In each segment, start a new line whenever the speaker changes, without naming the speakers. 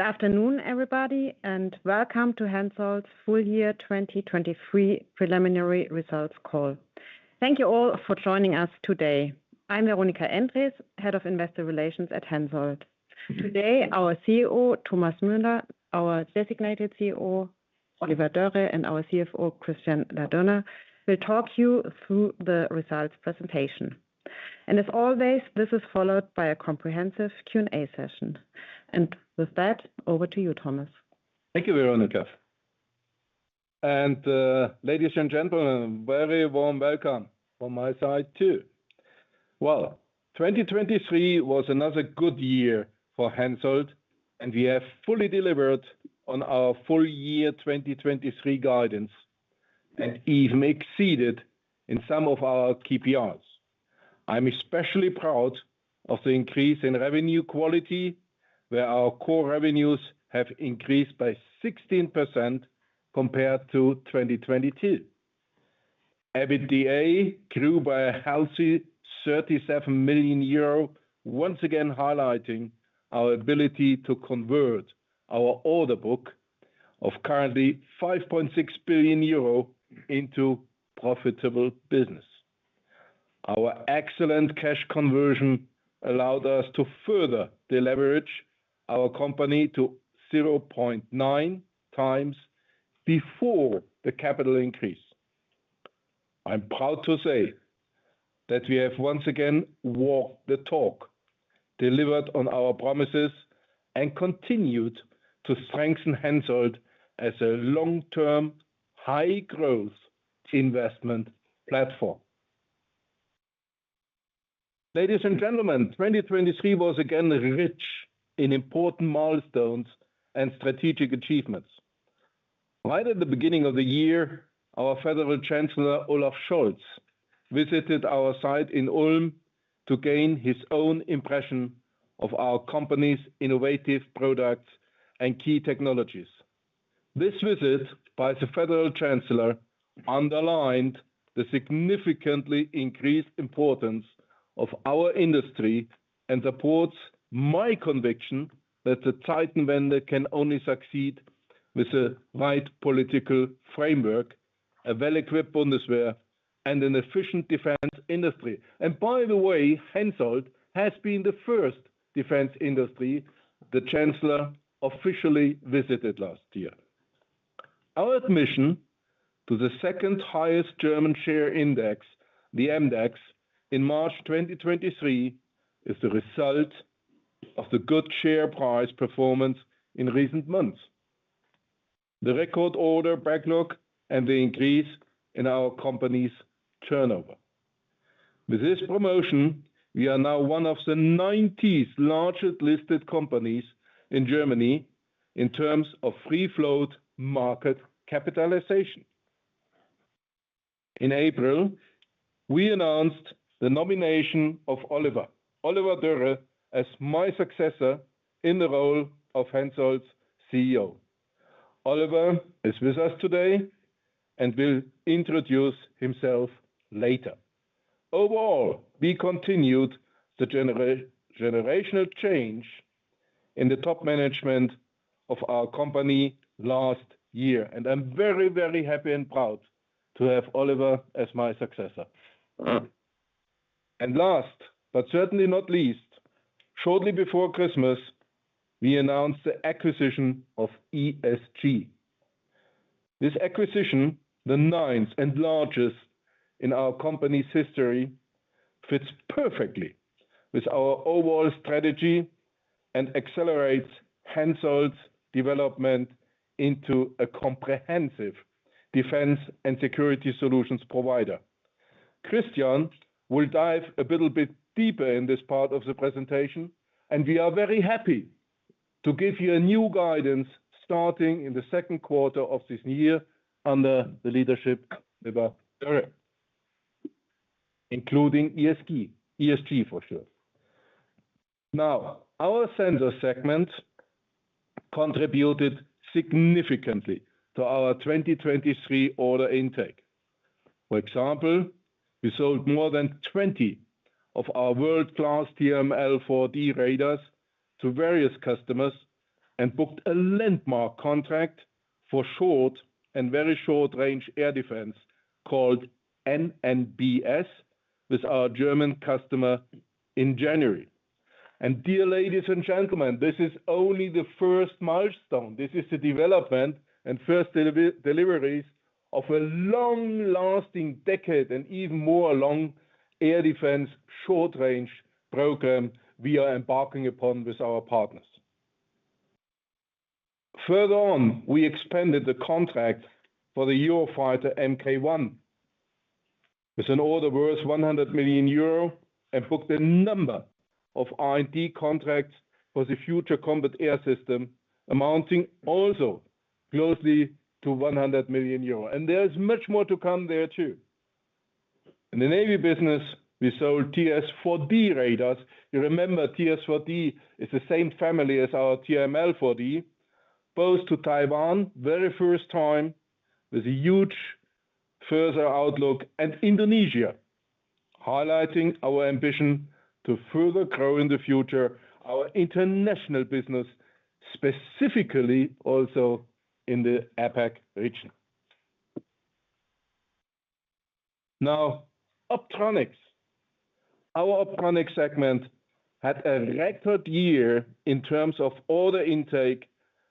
Afternoon, everybody, and welcome to Hensoldt's full year 2023 preliminary results call. Thank you all for joining us today. I'm Veronika Endres, Head of Investor Relations at Hensoldt. Today, our CEO Thomas Müller, our designated CEO Oliver Dörre, and our CFO Christian Ladurner will talk you through the results presentation. And as always, this is followed by a comprehensive Q&A session. And with that, over to you, Thomas.
Thank you, Veronika. And, ladies and gentlemen, a very warm welcome from my side too. Well, 2023 was another good year for Hensoldt, and we have fully delivered on our full year 2023 guidance, and even exceeded in some of our KPIs. I'm especially proud of the increase in revenue quality, where our core revenues have increased by 16% compared to 2022. EBITDA grew by a healthy 37 million euro, once again highlighting our ability to convert our order book of currently 5.6 billion euro into profitable business. Our excellent cash conversion allowed us to further deleverage our company to 0.9x before the capital increase. I'm proud to say that we have once again walked the talk, delivered on our promises, and continued to strengthen Hensoldt as a long-term high-growth investment platform. Ladies and gentlemen, 2023 was again rich in important milestones and strategic achievements. Right at the beginning of the year, our Federal Chancellor Olaf Scholz visited our site in Ulm to gain his own impression of our company's innovative products and key technologies. This visit by the Federal Chancellor underlined the significantly increased importance of our industry and supports my conviction that the Titan vendor can only succeed with the right political framework, a well-equipped Bundeswehr, and an efficient defense industry. And by the way, Hensoldt has been the first defense industry the Chancellor officially visited last year. Our admission to the second-highest German share index, the MDAX, in March 2023 is the result of the good share price performance in recent months, the record order backlog, and the increase in our company's turnover. With this promotion, we are now one of the 90 largest listed companies in Germany in terms of free float market capitalization. In April, we announced the nomination of Oliver Dörre as my successor in the role of Hensoldt's CEO. Oliver is with us today and will introduce himself later. Overall, we continued the generational change in the top management of our company last year, and I'm very, very happy and proud to have Oliver as my successor. And last, but certainly not least, shortly before Christmas, we announced the acquisition of ESG. This acquisition, the ninth and largest in our company's history, fits perfectly with our overall strategy and accelerates Hensoldt's development into a comprehensive defense and security solutions provider. Christian will dive a little bit deeper in this part of the presentation, and we are very happy to give you a new guidance starting in the second quarter of this year under the leadership of Oliver Dörre, including ESG, ESG for sure. Now, our sensor segment contributed significantly to our 2023 order intake. For example, we sold more than 20 of our world-class TRML-4D radars to various customers and booked a landmark contract for short and very short-range air defense called NNbS with our German customer in January. And dear ladies and gentlemen, this is only the first milestone. This is the development and first deliveries of a long-lasting decade and even more long air defense short-range programme we are embarking upon with our partners. Further on, we expanded the contract for the Eurofighter Mk1 with an order worth 100 million euro and booked a number of R&D contracts for the Future Combat Air System amounting also closely to 100 million euro. And there is much more to come there too. In the Navy business, we sold TRS-4D radars. You remember, TRS-4D is the same family as our TRML-4D. Sold to Taiwan very first time with a huge further outlook and Indonesia, highlighting our ambition to further grow in the future our international business, specifically also in the APAC region. Now, Optronics. Our Optronics segment had a record year in terms of order intake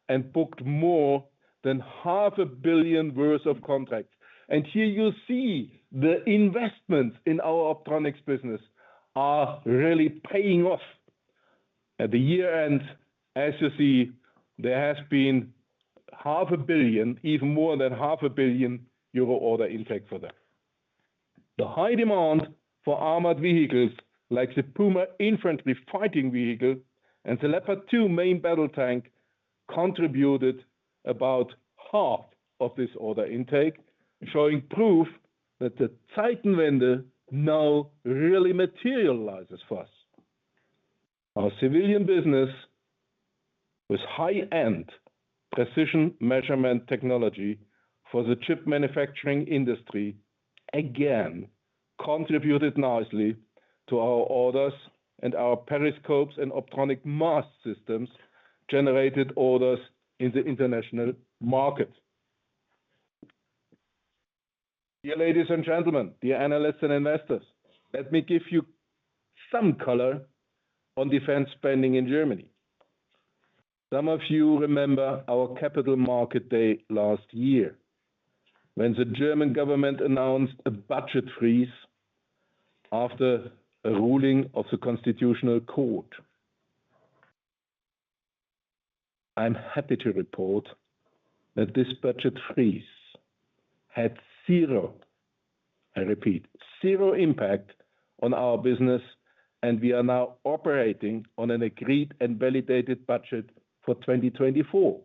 and booked more than 500 million worth of contracts. And here you see the investments in our Optronics business are really paying off. At the year end, as you see, there has been 500 million, even more than 500 million euro order intake for them. The high demand for armored vehicles like the Puma infantry fighting vehicle and the Leopard 2 main battle tank contributed about half of this order intake, showing proof that the Titan vendor now really materializes for us. Our civilian business with high-end precision measurement technology for the chip manufacturing industry again contributed nicely to our orders and our periscopes and optronic mast systems generated orders in the international market. Dear ladies and gentlemen, dear analysts and investors, let me give you some color on defense spending in Germany. Some of you remember our Capital Market Day last year, when the German government announced a budget freeze after a ruling of the Constitutional Court. I'm happy to report that this budget freeze had zero, I repeat, zero impact on our business, and we are now operating on an agreed and validated budget for 2024.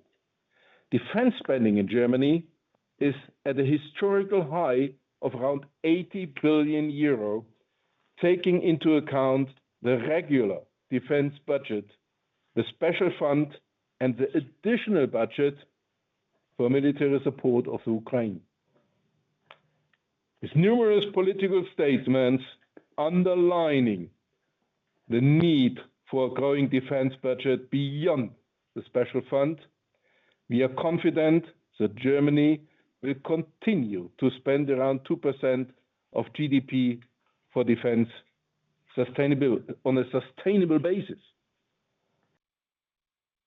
Defense spending in Germany is at a historical high of around 80 billion euro, taking into account the regular defense budget, the special fund, and the additional budget for military support of Ukraine. With numerous political statements underlining the need for a growing defense budget beyond the special fund, we are confident that Germany will continue to spend around 2% of GDP for defense on a sustainable basis.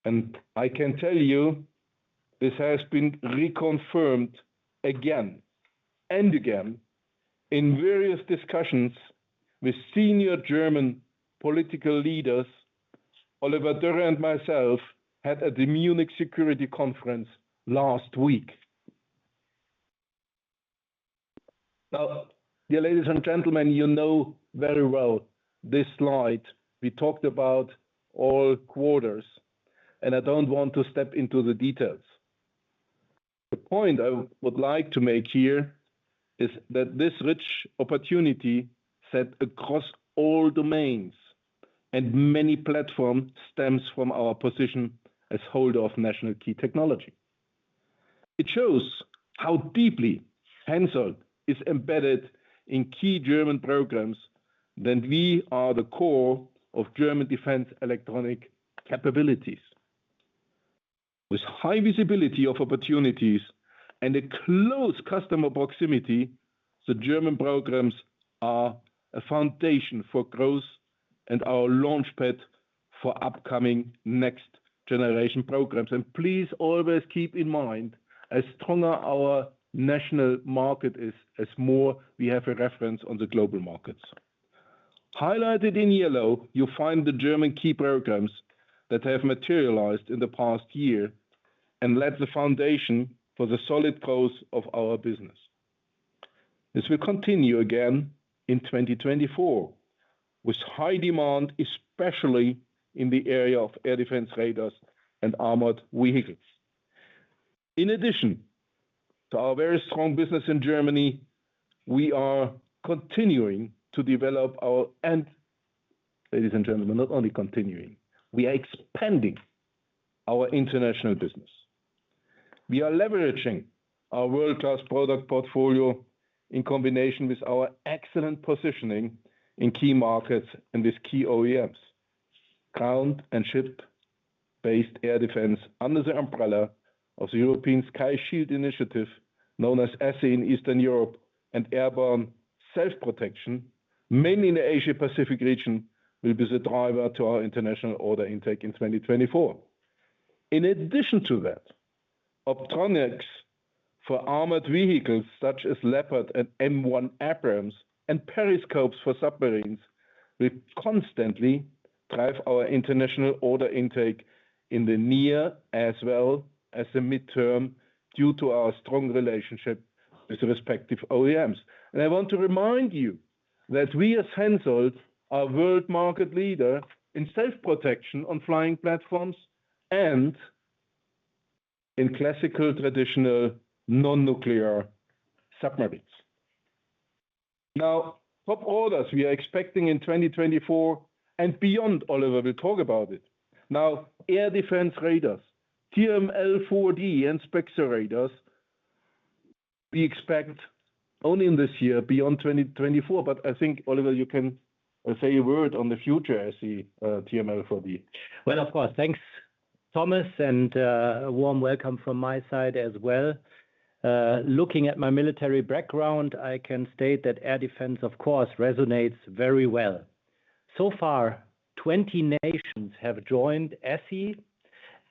And I can tell you, this has been reconfirmed again and again in various discussions with senior German political leaders. Oliver Dörre and myself had a Munich Security Conference last week. Now, dear ladies and gentlemen, you know very well this slide. We talked about all quarters, and I don't want to step into the details. The point I would like to make here is that this rich opportunity set across all domains and many platforms stems from our position as holder of national key technology. It shows how deeply Hensoldt is embedded in key German programs that we are the core of German defense electronic capabilities. With high visibility of opportunities and a close customer proximity, the German programs are a foundation for growth and our launchpad for upcoming next generation programs. Please always keep in mind, the stronger our national market is, the more we have a reference on the global markets. Highlighted in yellow, you find the German key programs that have materialized in the past year and laid the foundation for the solid growth of our business. This will continue again in 2024 with high demand, especially in the area of air defense radars and armored vehicles. In addition to our very strong business in Germany, we are continuing to develop our, and ladies and gentlemen, not only continuing, we are expanding our international business. We are leveraging our world-class product portfolio in combination with our excellent positioning in key markets and with key OEMs. Ground and ship-based air defense under the umbrella of the European Sky Shield Initiative, known as ESSI in Eastern Europe, and Airborne Self-Protection, mainly in the Asia-Pacific region, will be the driver to our international order intake in 2024. In addition to that, optronics for armored vehicles such as Leopard and M1 Abrams and periscopes for submarines will constantly drive our international order intake in the near as well as the mid-term due to our strong relationship with the respective OEMs. And I want to remind you that we as Hensoldt are a world market leader in self-protection on flying platforms and in classical traditional non-nuclear submarines. Now, top orders we are expecting in 2024 and beyond. Oliver will talk about it. Now, air defense radars, TRML-4D and SPEXER radars, we expect only in this year beyond 2024. But I think, Oliver, you can say a word on the future as the TRML-4D.
Well, of course, thanks, Thomas, and a warm welcome from my side as well. Looking at my military background, I can state that air defense, of course, resonates very well. So far, 20 nations have joined ESSI.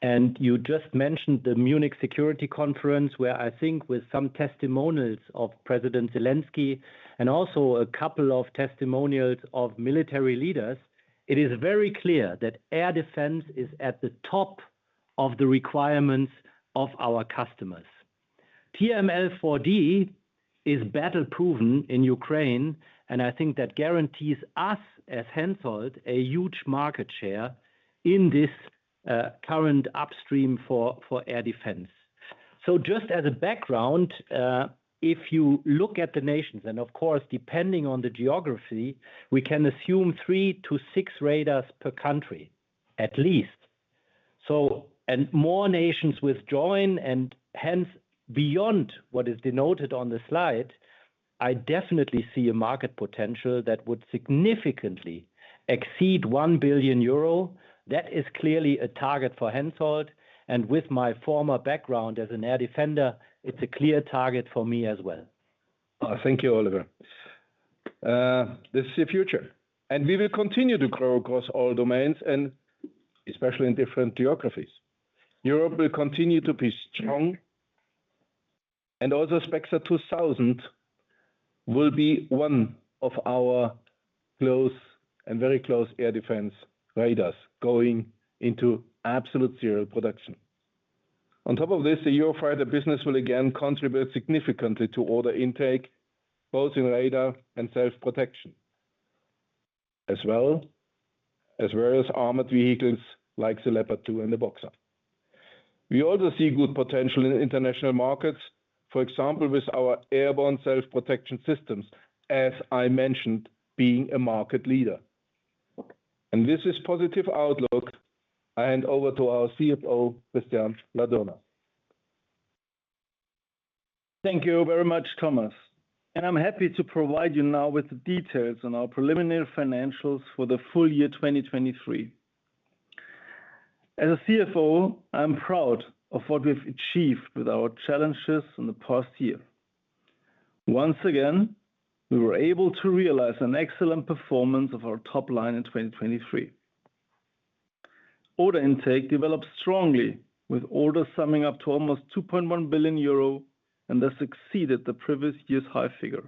And you just mentioned the Munich Security Conference, where I think with some testimonials of President Zelensky and also a couple of testimonials of military leaders, it is very clear that air defense is at the top of the requirements of our customers. TRML-4D is battle-proven in Ukraine, and I think that guarantees us as Hensoldt a huge market share in this, current upstream for air defense. So just as a background, if you look at the nations, and of course, depending on the geography, we can assume three to six radars per country, at least. So, more nations will join, and hence beyond what is denoted on the slide, I definitely see a market potential that would significantly exceed 1 billion euro. That is clearly a target for Hensoldt. And with my former background as an air defender, it's a clear target for me as well.
Thank you, Oliver. This is the future. And we will continue to grow across all domains, and especially in different geographies. Europe will continue to be strong. And also SPEXER 2000 will be one of our close and very close air defense radars going into absolute serial production. On top of this, the Eurofighter business will again contribute significantly to order intake, both in radar and self-protection, as well as various armored vehicles like the Leopard 2 and the Boxer. We also see good potential in international markets, for example, with our Airborne Self-Protection Systems, as I mentioned, being a market leader. And this is positive outlook. I hand over to our CFO, Christian Ladurner.
Thank you very much, Thomas. And I'm happy to provide you now with the details on our preliminary financials for the full year 2023. As a CFO, I'm proud of what we've achieved with our challenges in the past year. Once again, we were able to realize an excellent performance of our top line in 2023. Order intake developed strongly with orders summing up to almost 2.1 billion euro and thus exceeded the previous year's high figure.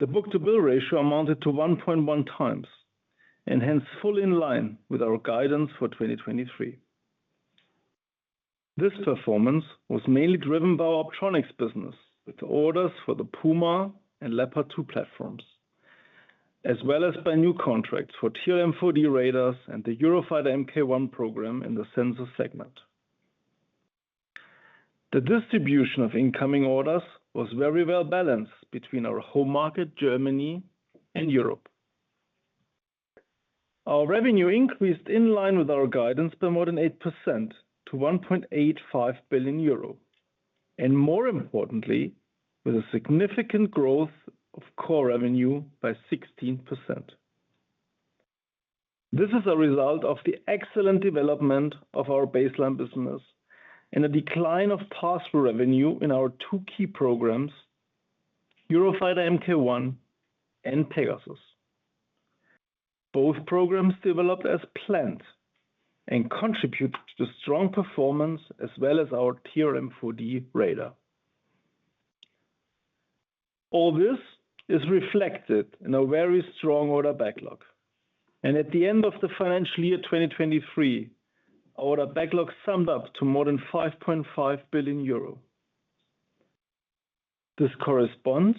The book-to-bill ratio amounted to 1.1 times and hence fully in line with our guidance for 2023. This performance was mainly driven by our Optronics business with the orders for the Puma and Leopard 2 platforms, as well as by new contracts for TRML-4D radars and the Eurofighter Mk1 programme in the Sensors segment. The distribution of incoming orders was very well balanced between our home market, Germany, and Europe. Our revenue increased in line with our guidance by more than 8% to 1.85 billion euro and, more importantly, with a significant growth of core revenue by 16%. This is a result of the excellent development of our baseline business and a decline of pass-through revenue in our two key programmes, Eurofighter Mk1 and Pegasus. Both programmes developed as planned and contributed to the strong performance as well as our TRML-4D radar. All this is reflected in our very strong order backlog. At the end of the financial year 2023, our order backlog summed up to more than 5.5 billion euro. This corresponds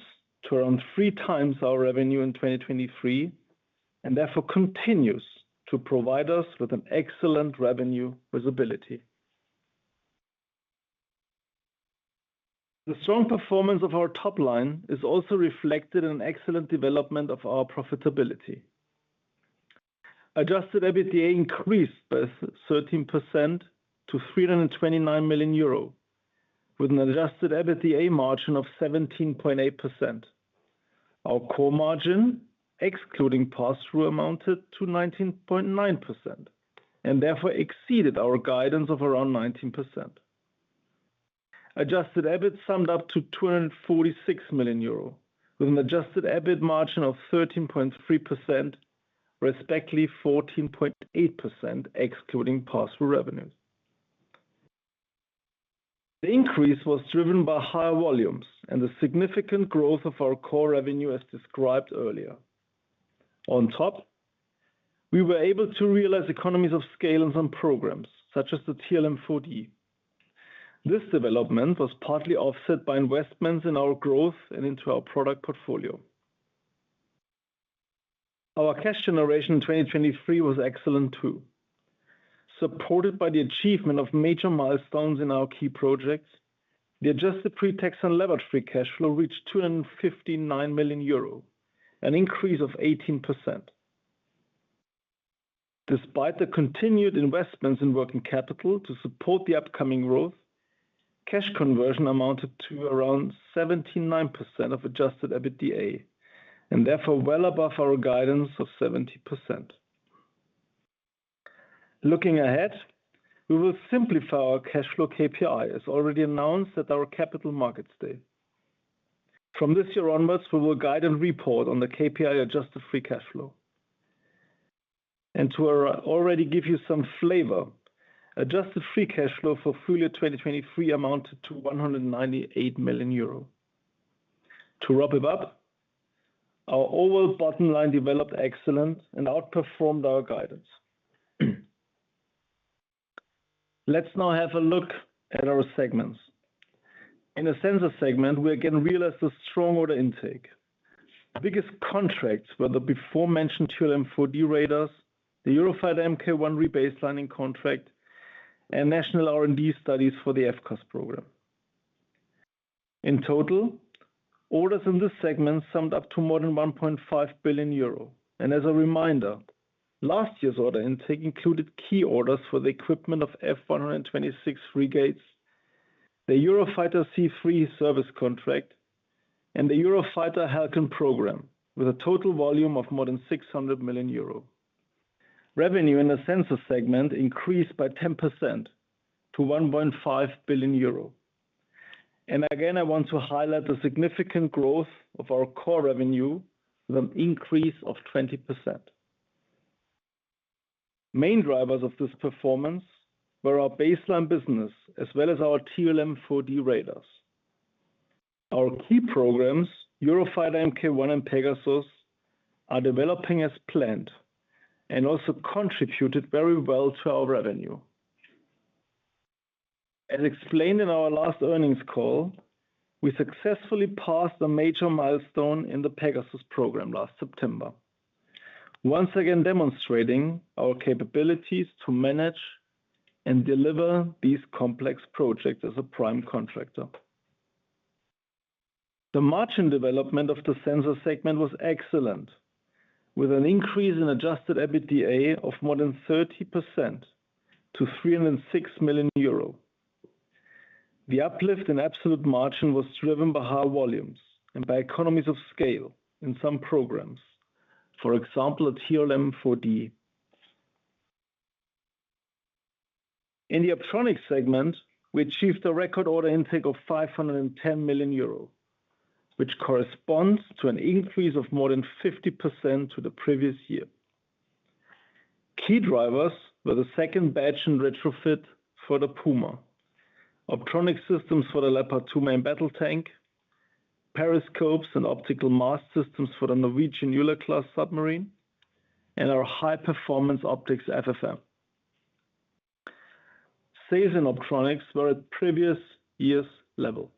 to around 3x our revenue in 2023 and therefore continues to provide us with an excellent revenue visibility. The strong performance of our top line is also reflected in an excellent development of our profitability. Adjusted EBITDA increased by 13% to 329 million euro with an adjusted EBITDA margin of 17.8%. Our core margin, excluding pass-through, amounted to 19.9% and therefore exceeded our guidance of around 19%. Adjusted EBIT summed up to 246 million euro with an adjusted EBIT margin of 13.3%, respectively 14.8% excluding pass-through revenues. The increase was driven by higher volumes and the significant growth of our core revenue as described earlier. On top, we were able to realize economies of scale in some programs such as the TRML-4D. This development was partly offset by investments in our growth and into our product portfolio. Our cash generation in 2023 was excellent too. Supported by the achievement of major milestones in our key projects, the adjusted pretax and leverage-free cash flow reached 259 million euro, an increase of 18%. Despite the continued investments in working capital to support the upcoming growth, cash conversion amounted to around 17.9% of adjusted EBITDA and therefore well above our guidance of 70%. Looking ahead, we will simplify our cash flow KPI. It's already announced at our Capital Markets Day. From this year onwards, we will guide and report on the KPI adjusted free cash flow. And to already give you some flavor, adjusted free cash flow for full year 2023 amounted to 198 million euro. To wrap it up, our overall bottom line developed excellent and outperformed our guidance. Let's now have a look at our segments. In the Sensors segment, we again realized the strong order intake. The biggest contracts were the before-mentioned TRML-4D radars, the Eurofighter Mk1 rebaselining contract, and national R&D studies for the FCAS programme. In total, orders in this segment summed up to more than 1.5 billion euro. And as a reminder, last year's order intake included key orders for the equipment of F126 frigates, the Eurofighter C3 service contract, and the Eurofighter Halcon programme with a total volume of more than 600 million euro. Revenue in the Sensors segment increased by 10% to 1.5 billion euro. And again, I want to highlight the significant growth of our core revenue with an increase of 20%. Main drivers of this performance were our baseline business as well as our TRML-4D radars. Our key programs, Eurofighter Mk1 and Pegasus, are developing as planned and also contributed very well to our revenue. As explained in our last earnings call, we successfully passed a major milestone in the Pegasus program last September, once again demonstrating our capabilities to manage and deliver these complex projects as a prime contractor. The margin development of the sensor segment was excellent with an increase in adjusted EBITDA of more than 30% to 306 million euro. The uplift in absolute margin was driven by high volumes and by economies of scale in some programs, for example, at TRML-4D. In the optronics segment, we achieved a record order intake of 510 million euro, which corresponds to an increase of more than 50% to the previous year. Key drivers were the second batch and retrofit for the Puma, optronic systems for the Leopard 2 main battle tank, periscopes and optical mast systems for the Norwegian Ula-class submarine, and our high-performance optics FFM. Sales in optronics were at previous year's level.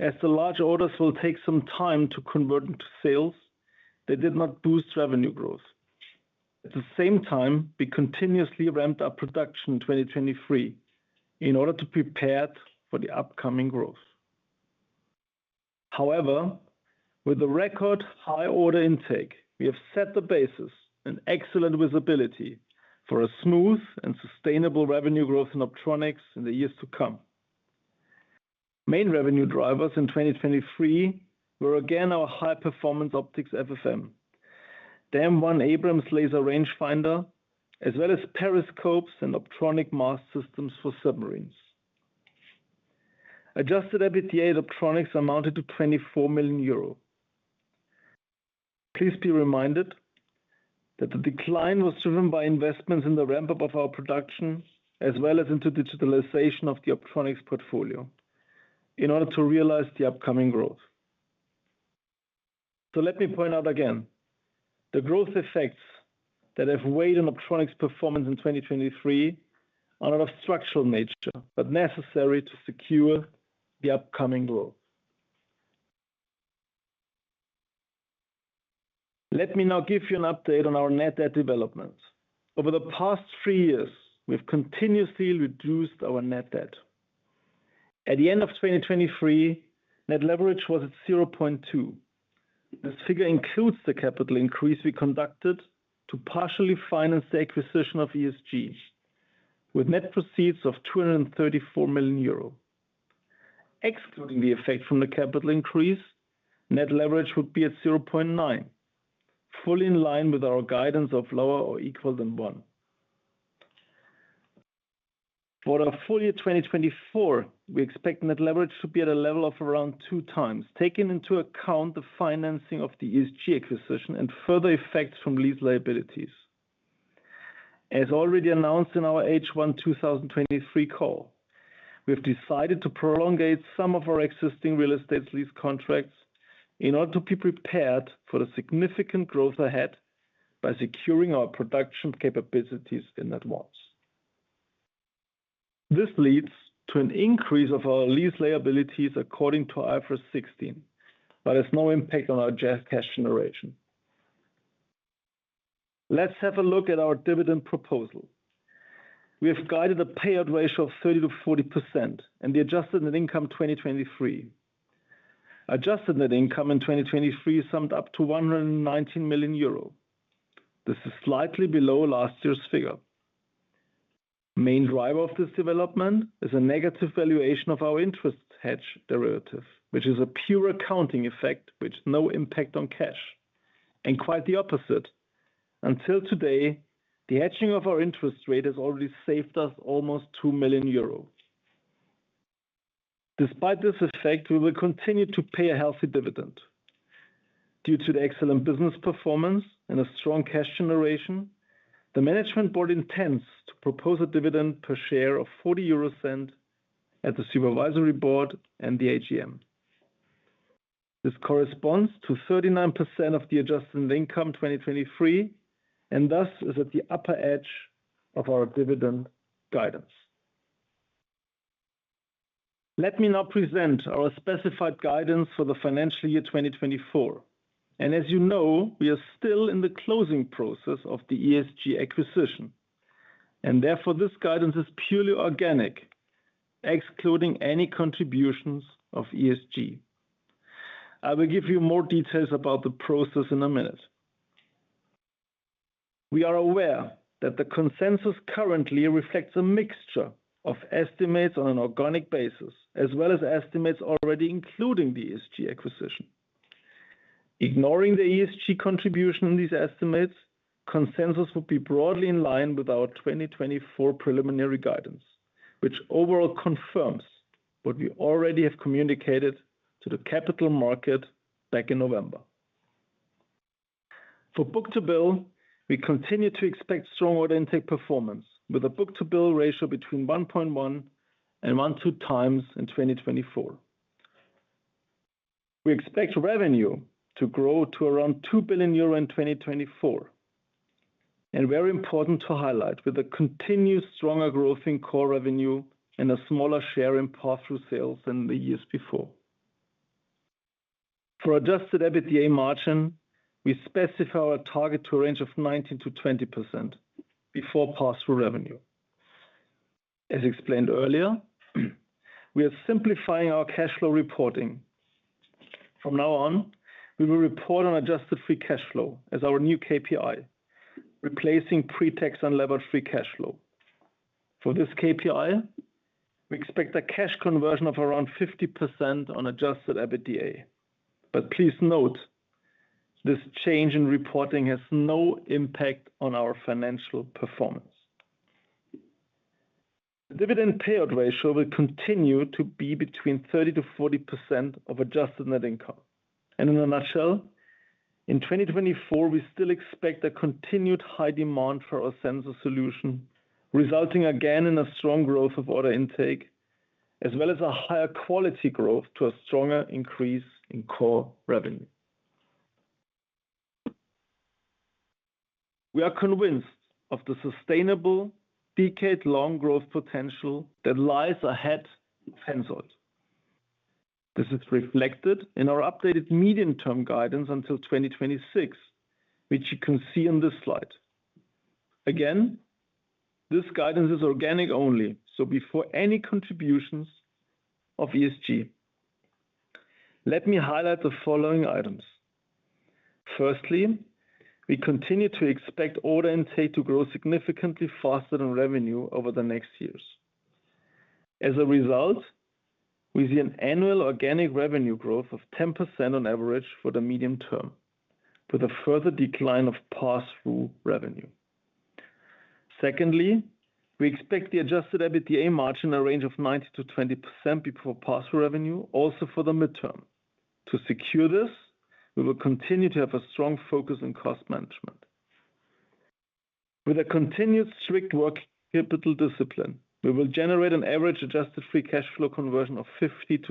As the large orders will take some time to convert into sales, they did not boost revenue growth. At the same time, we continuously ramped up production in 2023 in order to prepare for the upcoming growth. However, with the record high order intake, we have set the basis and excellent visibility for a smooth and sustainable revenue growth in optronics in the years to come. Main revenue drivers in 2023 were again our high-performance optics FFM, the M1 Abrams laser rangefinder, as well as periscopes and optronic mast systems for submarines. Adjusted EBITDA at optronics amounted to 24 million euro. Please be reminded that the decline was driven by investments in the ramp-up of our production as well as into digitalization of the optronics portfolio in order to realize the upcoming growth. So let me point out again, the growth effects that have weighed on optronics performance in 2023 are not of structural nature but necessary to secure the upcoming growth. Let me now give you an update on our net debt development. Over the past three years, we've continuously reduced our net debt. At the end of 2023, net leverage was at 0.2. This figure includes the capital increase we conducted to partially finance the acquisition of ESG with net proceeds of 234 million euro. Excluding the effect from the capital increase, net leverage would be at 0.9, fully in line with our guidance of lower or equal than 1. For the full year 2024, we expect net leverage to be at a level of around 2x, taking into account the financing of the ESG acquisition and further effects from lease liabilities. As already announced in our H1 2023 call, we have decided to prolong some of our existing real estate lease contracts in order to be prepared for the significant growth ahead by securing our production capabilities in advance. This leads to an increase of our lease liabilities according to IFRS 16, but has no impact on our cash generation. Let's have a look at our dividend proposal. We have guided a payout ratio of 30%-40% and the adjusted net income 2023. Adjusted net income in 2023 summed up to 119 million euro. This is slightly below last year's figure. Main driver of this development is a negative valuation of our interest hedge derivative, which is a pure accounting effect with no impact on cash. Quite the opposite, until today, the hedging of our interest rate has already saved us almost 2 million euro. Despite this effect, we will continue to pay a healthy dividend. Due to the excellent business performance and a strong cash generation, the management board intends to propose a dividend per share of 0.40 at the supervisory board and the AGM. This corresponds to 39% of the adjusted net income 2023 and thus is at the upper edge of our dividend guidance. Let me now present our specified guidance for the financial year 2024. As you know, we are still in the closing process of the ESG acquisition and therefore this guidance is purely organic, excluding any contributions of ESG. I will give you more details about the process in a minute. We are aware that the consensus currently reflects a mixture of estimates on an organic basis as well as estimates already including the ESG acquisition. Ignoring the ESG contribution in these estimates, consensus would be broadly in line with our 2024 preliminary guidance, which overall confirms what we already have communicated to the capital market back in November. For book-to-bill, we continue to expect strong order intake performance with a book-to-bill ratio between 1.1x and 1.2x in 2024. We expect revenue to grow to around 2 billion euro in 2024 and very important to highlight with a continued stronger growth in core revenue and a smaller share in pass-through sales than the years before. For adjusted EBITDA margin, we specify our target to a range of 19%-20% before pass-through revenue. As explained earlier, we are simplifying our cash flow reporting. From now on, we will report on adjusted free cash flow as our new KPI, replacing pretax and leverage-free cash flow. For this KPI, we expect a cash conversion of around 50% on adjusted EBITDA. But please note, this change in reporting has no impact on our financial performance. The dividend payout ratio will continue to be between 30%-40% of adjusted net income. In a nutshell, in 2024, we still expect a continued high demand for our sensor solution, resulting again in a strong growth of order intake as well as a higher quality growth to a stronger increase in core revenue. We are convinced of the sustainable decade-long growth potential that lies ahead of Hensoldt. This is reflected in our updated medium-term guidance until 2026, which you can see in this slide. Again, this guidance is organic only, so before any contributions of ESG. Let me highlight the following items. Firstly, we continue to expect order intake to grow significantly faster than revenue over the next years. As a result, we see an annual organic revenue growth of 10% on average for the medium term with a further decline of pass-through revenue. Secondly, we expect the adjusted EBITDA margin in a range of 19%-20% before pass-through revenue, also for the mid-term. To secure this, we will continue to have a strong focus on cost management. With a continued strict working capital discipline, we will generate an average adjusted free cash flow conversion of 50%-60%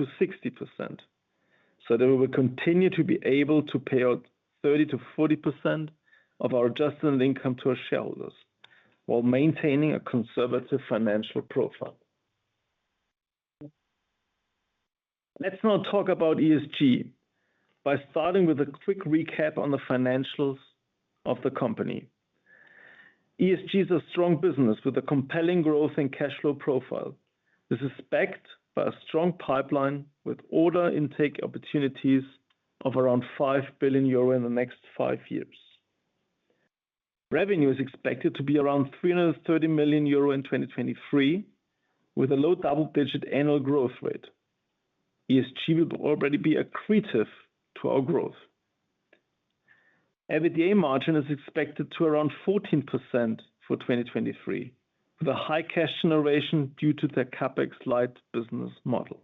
so that we will continue to be able to pay out 30%-40% of our adjusted net income to our shareholders while maintaining a conservative financial profile. Let's now talk about ESG by starting with a quick recap on the financials of the company. ESG is a strong business with a compelling growth and cash flow profile. This is backed by a strong pipeline with order intake opportunities of around 5 billion euro in the next five years. Revenue is expected to be around 330 million euro in 2023 with a low double-digit annual growth rate. ESG will already be accretive to our growth. EBITDA margin is expected to be around 14% for 2023 with a high cash generation due to the CapEx light business model.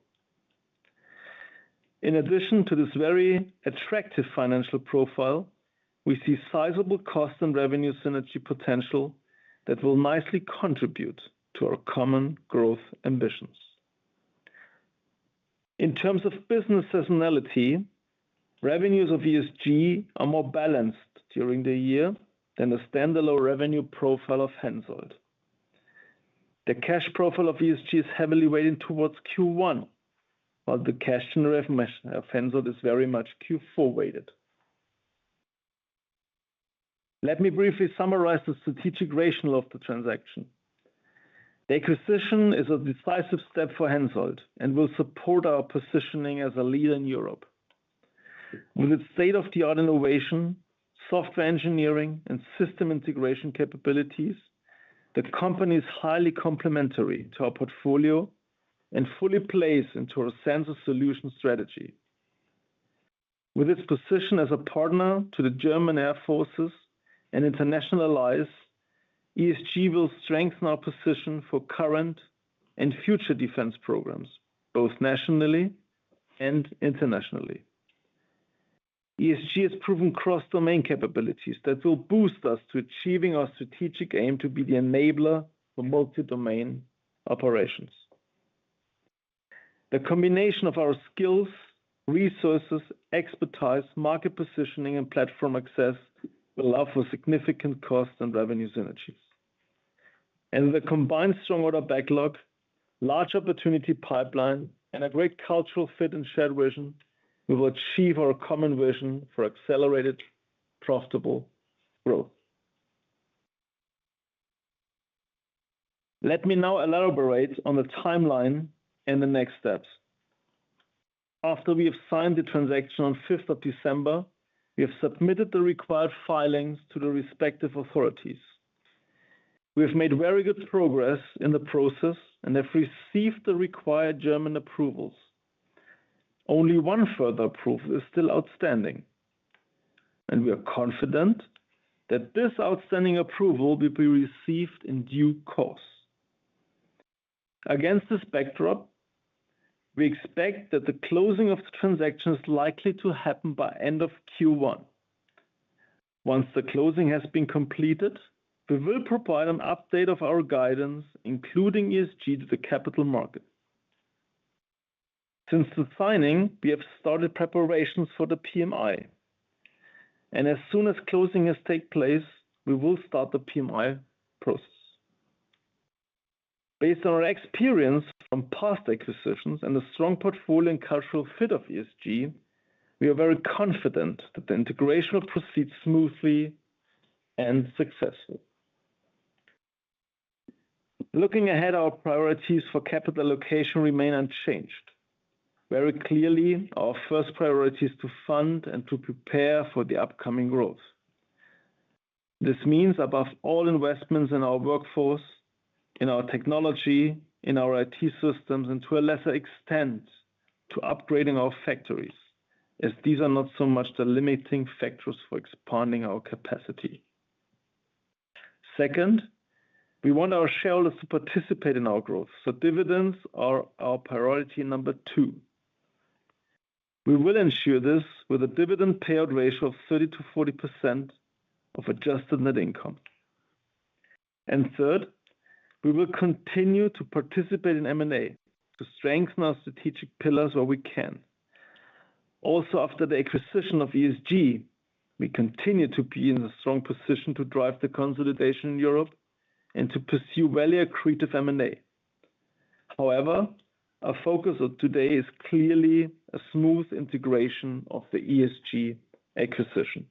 In addition to this very attractive financial profile, we see sizable cost and revenue synergy potential that will nicely contribute to our common growth ambitions. In terms of business seasonality, revenues of ESG are more balanced during the year than the standalone revenue profile of Hensoldt. The cash profile of ESG is heavily weighted towards Q1, while the cash generation of Hensoldt is very much Q4 weighted. Let me briefly summarize the strategic rationale of the transaction. The acquisition is a decisive step for Hensoldt and will support our positioning as a leader in Europe. With its state-of-the-art innovation, software engineering, and system integration capabilities, the company is highly complementary to our portfolio and fully plays into our sensor solution strategy. With its position as a partner to the German Air Forces and internationalized, ESG will strengthen our position for current and future defense programs, both nationally and internationally. ESG has proven cross-domain capabilities that will boost us to achieving our strategic aim to be the enabler for multi-domain operations. The combination of our skills, resources, expertise, market positioning, and platform access will allow for significant cost and revenue synergies. With a combined strong order backlog, large opportunity pipeline, and a great cultural fit and shared vision, we will achieve our common vision for accelerated, profitable growth. Let me now elaborate on the timeline and the next steps. After we have signed the transaction on 5th December, we have submitted the required filings to the respective authorities. We have made very good progress in the process and have received the required German approvals. Only one further approval is still outstanding, and we are confident that this outstanding approval will be received in due course. Against this backdrop, we expect that the closing of the transaction is likely to happen by end of Q1. Once the closing has been completed, we will provide an update of our guidance, including ESG, to the capital market. Since the signing, we have started preparations for the PMI, and as soon as closing has taken place, we will start the PMI process. Based on our experience from past acquisitions and the strong portfolio and cultural fit of ESG, we are very confident that the integration will proceed smoothly and successfully. Looking ahead, our priorities for capital allocation remain unchanged. Very clearly, our first priority is to fund and to prepare for the upcoming growth. This means above all investments in our workforce, in our technology, in our IT systems, and to a lesser extent to upgrading our factories, as these are not so much the limiting factors for expanding our capacity. Second, we want our shareholders to participate in our growth, so dividends are our priority number two. We will ensure this with a dividend payout ratio of 30%-40% of adjusted net income. Third, we will continue to participate in M&A to strengthen our strategic pillars where we can. Also, after the acquisition of ESG, we continue to be in a strong position to drive the consolidation in Europe and to pursue value accretive M&A. However, our focus today is clearly a smooth integration of the ESG acquisition.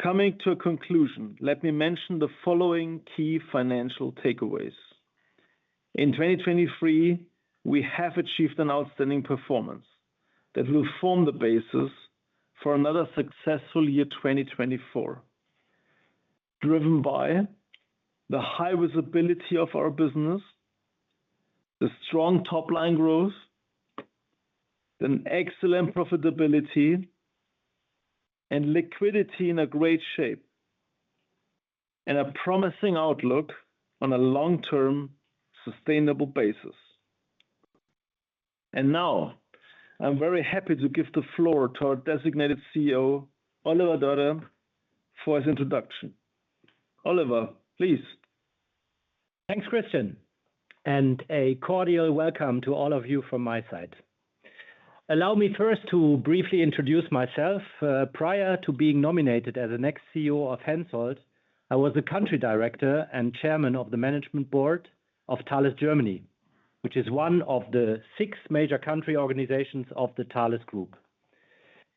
Coming to a conclusion, let me mention the following key financial takeaways. In 2023, we have achieved an outstanding performance that will form the basis for another successful year 2024, driven by the high visibility of our business, the strong top-line growth, an excellent profitability, and liquidity in a great shape, and a promising outlook on a long-term sustainable basis. Now, I'm very happy to give the floor to our designated CEO, Oliver Dörre, for his introduction. Oliver, please.
Thanks, Christian, and a cordial welcome to all of you from my side. Allow me first to briefly introduce myself. Prior to being nominated as the next CEO of Hensoldt, I was the country director and chairman of the management board of Thales Germany, which is one of the six major country organizations of the Thales Group.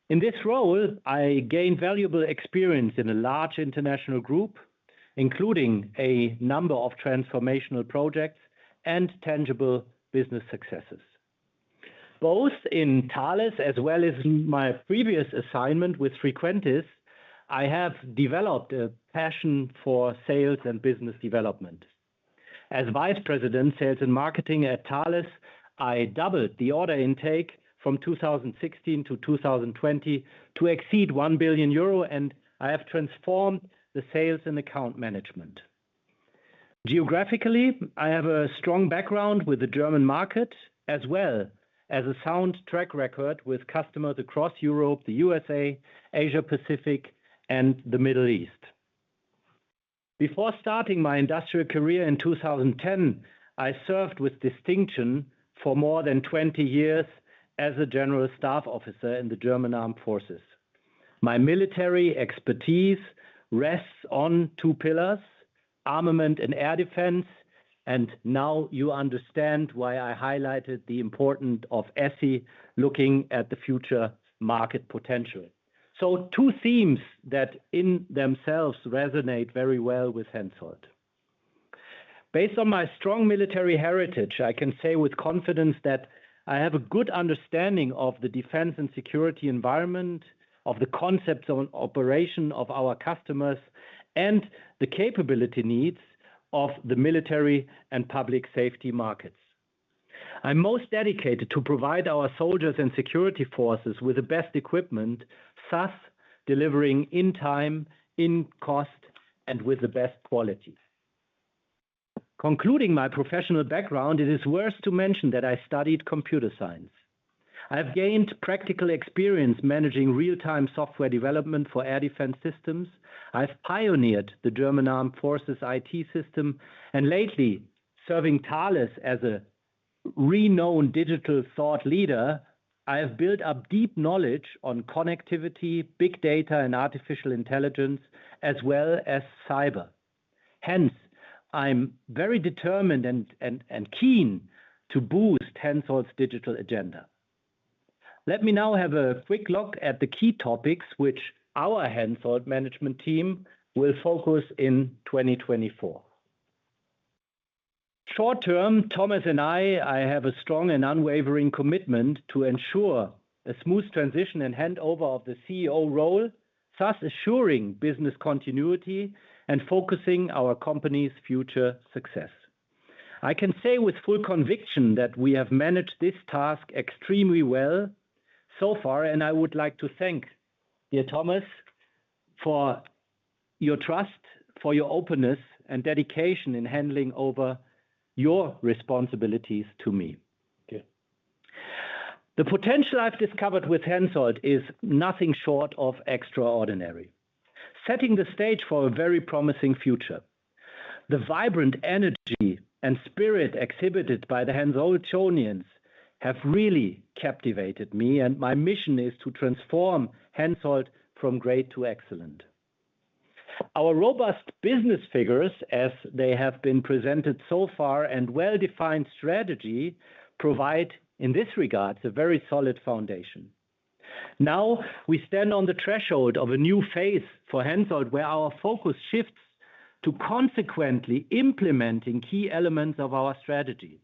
In this role, I gained valuable experience in a large international group, including a number of transformational projects and tangible business successes. Both in Thales as well as in my previous assignment with Frequentis, I have developed a passion for sales and business development. As Vice President, sales and marketing at Thales, I doubled the order intake from 2016 to 2020 to exceed 1 billion euro, and I have transformed the sales and account management. Geographically, I have a strong background with the German market as well as a sound track record with customers across Europe, the USA, Asia-Pacific, and the Middle East. Before starting my industrial career in 2010, I served with distinction for more than 20 years as a general staff officer in the German Armed Forces. My military expertise rests on two pillars: armament and air defense. Now you understand why I highlighted the importance of ESSI looking at the future market potential. Two themes that in themselves resonate very well with Hensoldt. Based on my strong military heritage, I can say with confidence that I have a good understanding of the defense and security environment, of the concepts of operation of our customers, and the capability needs of the military and public safety markets. I'm most dedicated to provide our soldiers and security forces with the best equipment, thus delivering in time, in cost, and with the best quality. Concluding my professional background, it is worth to mention that I studied computer science. I have gained practical experience managing real-time software development for air defense systems. I've pioneered the German Armed Forces IT system. And lately, serving Thales as a renowned digital thought leader, I have built up deep knowledge on connectivity, big data, and artificial intelligence, as well as cyber. Hence, I'm very determined and keen to boost Hensoldt's digital agenda. Let me now have a quick look at the key topics which our Hensoldt management team will focus on in 2024. Short term, Thomas and I, I have a strong and unwavering commitment to ensure a smooth transition and handover of the CEO role, thus assuring business continuity and focusing our company's future success. I can say with full conviction that we have managed this task extremely well so far, and I would like to thank dear Thomas for your trust, for your openness, and dedication in handling over your responsibilities to me. The potential I've discovered with Hensoldt is nothing short of extraordinary, setting the stage for a very promising future. The vibrant energy and spirit exhibited by the Hensoldtionians have really captivated me, and my mission is to transform Hensoldt from great to excellent. Our robust business figures, as they have been presented so far, and well-defined strategy provide, in this regard, a very solid foundation. Now we stand on the threshold of a new phase for Hensoldt where our focus shifts to consequently implementing key elements of our strategy.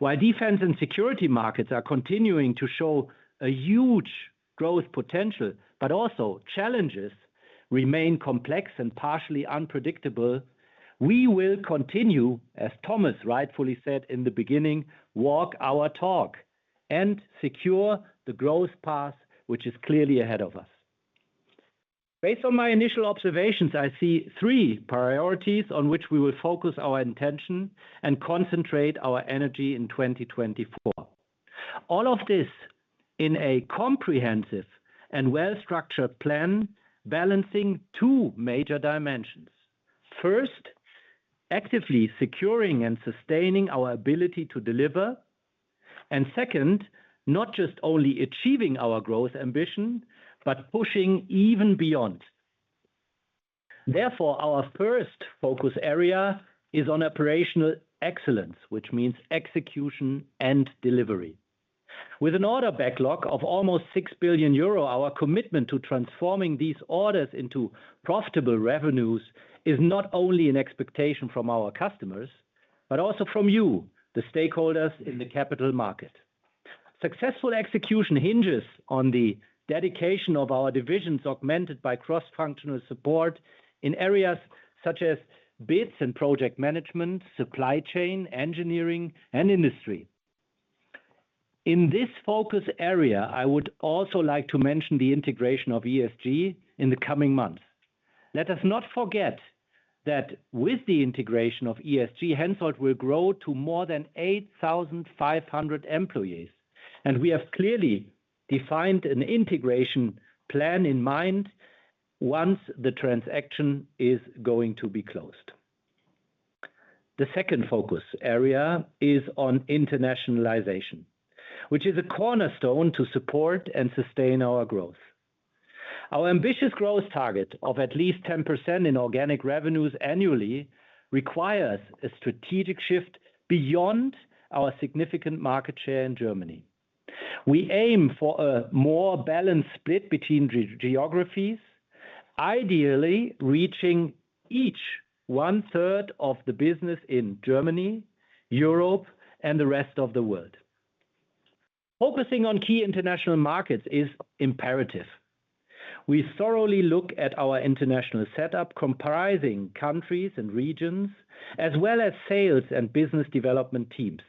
While defense and security markets are continuing to show a huge growth potential, but also challenges remain complex and partially unpredictable, we will continue, as Thomas rightfully said in the beginning, walk our talk and secure the growth path which is clearly ahead of us. Based on my initial observations, I see three priorities on which we will focus our intention and concentrate our energy in 2024. All of this in a comprehensive and well-structured plan balancing two major dimensions. First, actively securing and sustaining our ability to deliver. Second, not just only achieving our growth ambition, but pushing even beyond. Therefore, our first focus area is on operational excellence, which means execution and delivery. With an order backlog of almost 6 billion euro, our commitment to transforming these orders into profitable revenues is not only an expectation from our customers, but also from you, the stakeholders in the capital market. Successful execution hinges on the dedication of our divisions, augmented by cross-functional support in areas such as bids and project management, supply chain, engineering, and industry. In this focus area, I would also like to mention the integration of ESG in the coming months. Let us not forget that with the integration of ESG, Hensoldt will grow to more than 8,500 employees, and we have clearly defined an integration plan in mind once the transaction is going to be closed. The second focus area is on internationalization, which is a cornerstone to support and sustain our growth. Our ambitious growth target of at least 10% in organic revenues annually requires a strategic shift beyond our significant market share in Germany. We aim for a more balanced split between geographies, ideally reaching each one-third of the business in Germany, Europe, and the rest of the world. Focusing on key international markets is imperative. We thoroughly look at our international setup, comprising countries and regions, as well as sales and business development teams.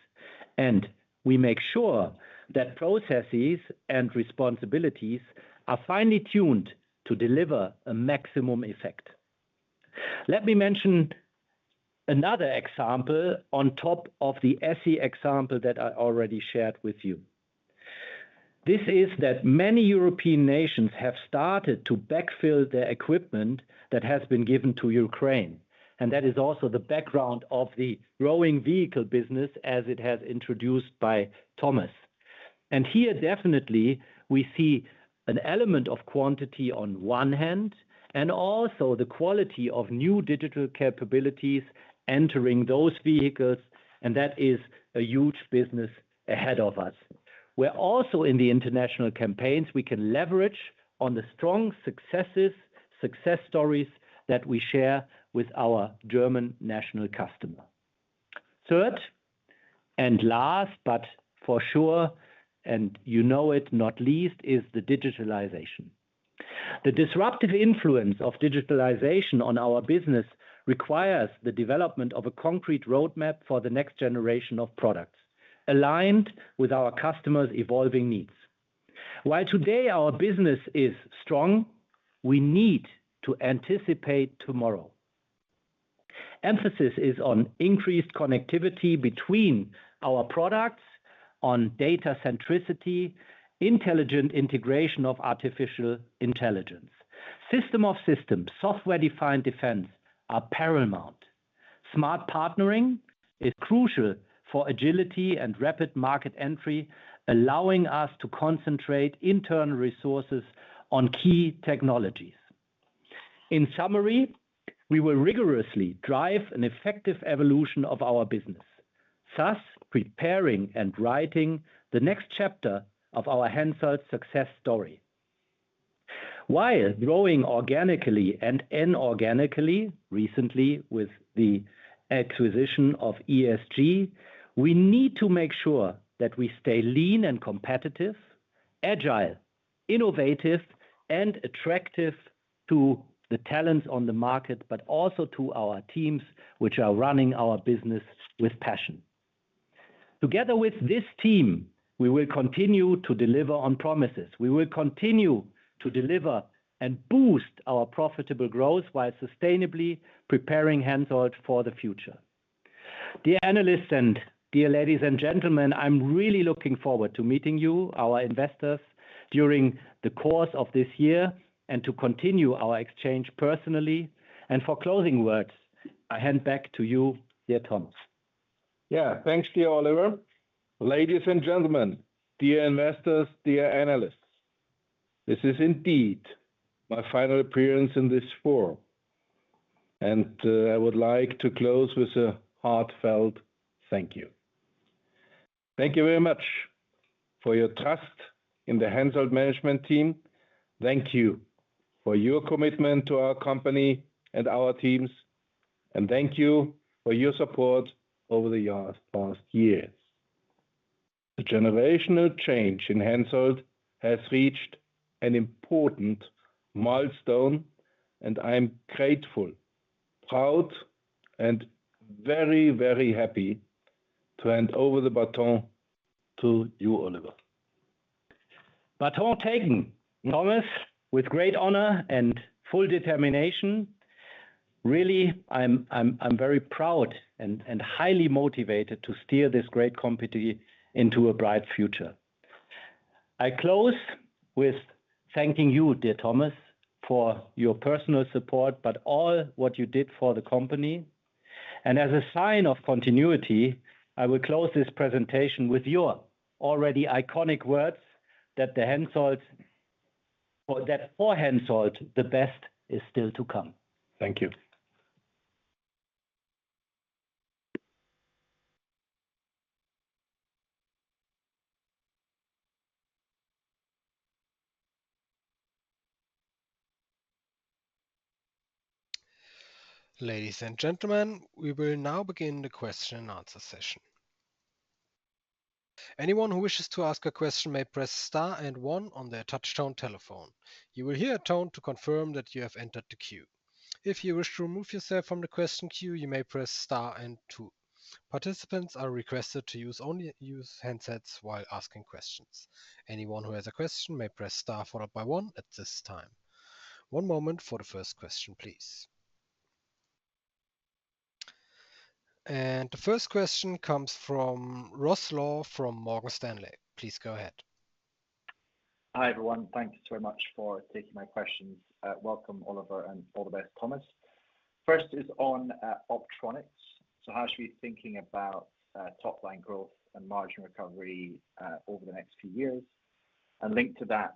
We make sure that processes and responsibilities are finely tuned to deliver a maximum effect. Let me mention another example on top of the ESSI example that I already shared with you. This is that many European nations have started to backfill their equipment that has been given to Ukraine. That is also the background of the growing vehicle business, as it has been introduced by Thomas. Here, definitely, we see an element of quantity on one hand and also the quality of new digital capabilities entering those vehicles. That is a huge business ahead of us. Where also in the international campaigns, we can leverage on the strong successes, success stories that we share with our German national customer. Third and last, but for sure, and you know it not least, is the digitalization. The disruptive influence of digitalization on our business requires the development of a concrete roadmap for the next generation of products aligned with our customers' evolving needs. While today our business is strong, we need to anticipate tomorrow. Emphasis is on increased connectivity between our products, on data centricity, intelligent integration of artificial intelligence. System of systems, software-defined defense, are paramount. Smart partnering is crucial for agility and rapid market entry, allowing us to concentrate internal resources on key technologies. In summary, we will rigorously drive an effective evolution of our business, thus preparing and writing the next chapter of our Hensoldt success story. While growing organically and inorganically, recently with the acquisition of ESG, we need to make sure that we stay lean and competitive, agile, innovative, and attractive to the talents on the market, but also to our teams which are running our business with passion. Together with this team, we will continue to deliver on promises. We will continue to deliver and boost our profitable growth while sustainably preparing Hensoldt for the future. Dear analysts and dear ladies and gentlemen, I'm really looking forward to meeting you, our investors, during the course of this year and to continue our exchange personally. For closing words, I hand back to you, dear Thomas.
Yeah, thanks, dear Oliver. Ladies and gentlemen, dear investors, dear analysts, this is indeed my final appearance in this forum. I would like to close with a heartfelt thank you. Thank you very much for your trust in the Hensoldt management team. Thank you for your commitment to our company and our teams. Thank you for your support over the past years. The generational change in Hensoldt has reached an important milestone, and I'm grateful, proud, and very, very happy to hand over the baton to you, Oliver.
Baton taken, Thomas, with great honor and full determination. Really, I'm very proud and highly motivated to steer this great company into a bright future. I close with thanking you, dear Thomas, for your personal support, but all what you did for the company. As a sign of continuity, I will close this presentation with your already iconic words that for Hensoldt, the best is still to come.
Thank you.
Ladies and gentlemen, we will now begin the question and answer session. Anyone who wishes to ask a question may press star and one on their touch-tone telephone. You will hear a tone to confirm that you have entered the queue. If you wish to remove yourself from the question queue, you may press star and two. Participants are requested to use only use handsets while asking questions. Anyone who has a question may press star followed by one at this time. One moment for the first question, please. The first question comes from Ross Law from Morgan Stanley. Please go ahead.
Hi everyone. Thank you so much for taking my questions. Welcome, Oliver, and all the best, Thomas. First is on optronics. So how should we be thinking about top-line growth and margin recovery over the next few years? And linked to that,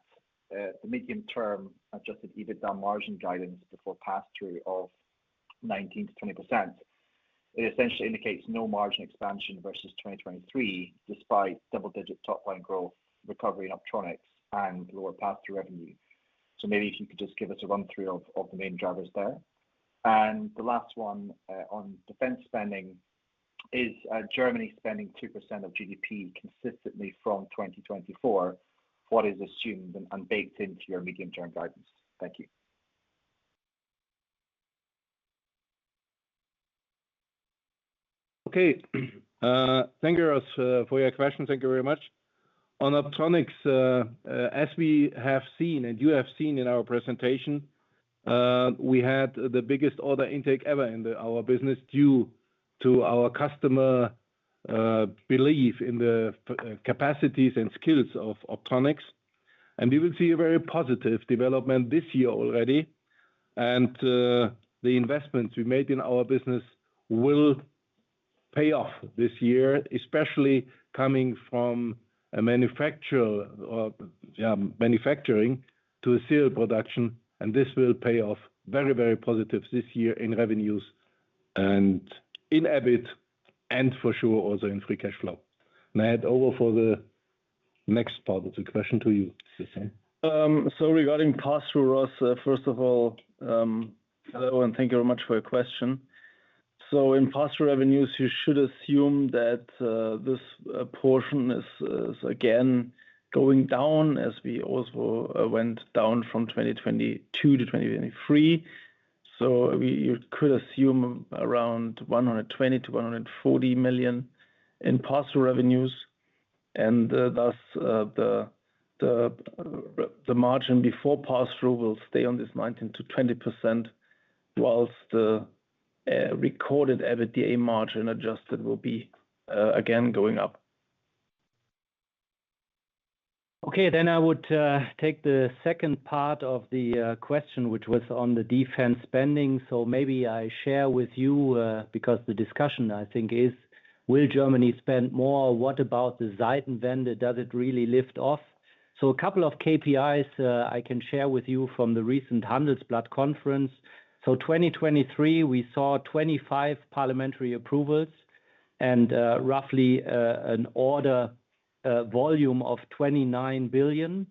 the medium-term adjusted EBITDA margin guidance before pass-through of 19%-20%, it essentially indicates no margin expansion versus 2023, despite double-digit top-line growth recovery in optronics and lower pass-through revenue. So maybe if you could just give us a run-through of the main drivers there. And the last one on defense spending is Germany spending 2% of GDP consistently from 2024, what is assumed and baked into your medium-term guidance. Thank you.
Okay. Thank you, Ross, for your question. Thank you very much. On Optronics, as we have seen and you have seen in our presentation, we had the biggest order intake ever in our business due to our customer belief in the capacities and skills of Optronics. And we will see a very positive development this year already. And the investments we made in our business will pay off this year, especially coming from manufacturing to serial production. And this will pay off very, very positive this year in revenues and in EBIT and for sure also in free cash flow. And I hand over for the next part of the question to you, Christian.
So regarding pass-through, Ross, first of all, hello and thank you very much for your question. So in pass-through revenues, you should assume that this portion is again going down as we also went down from 2022 to 2023. So you could assume around 120 million-140 million in pass-through revenues. And thus, the margin before pass-through will stay on this 19%-20%, whilst the recorded EBITDA margin adjusted will be again going up.
Okay, then I would take the second part of the question, which was on the defense spending. So maybe I share with you, because the discussion, I think, is, will Germany spend more? What about the Zeitenwende? Does it really lift off? So a couple of KPIs I can share with you from the recent Handelsblatt conference. So 2023, we saw 25 parliamentary approvals and roughly an order volume of 29 billion.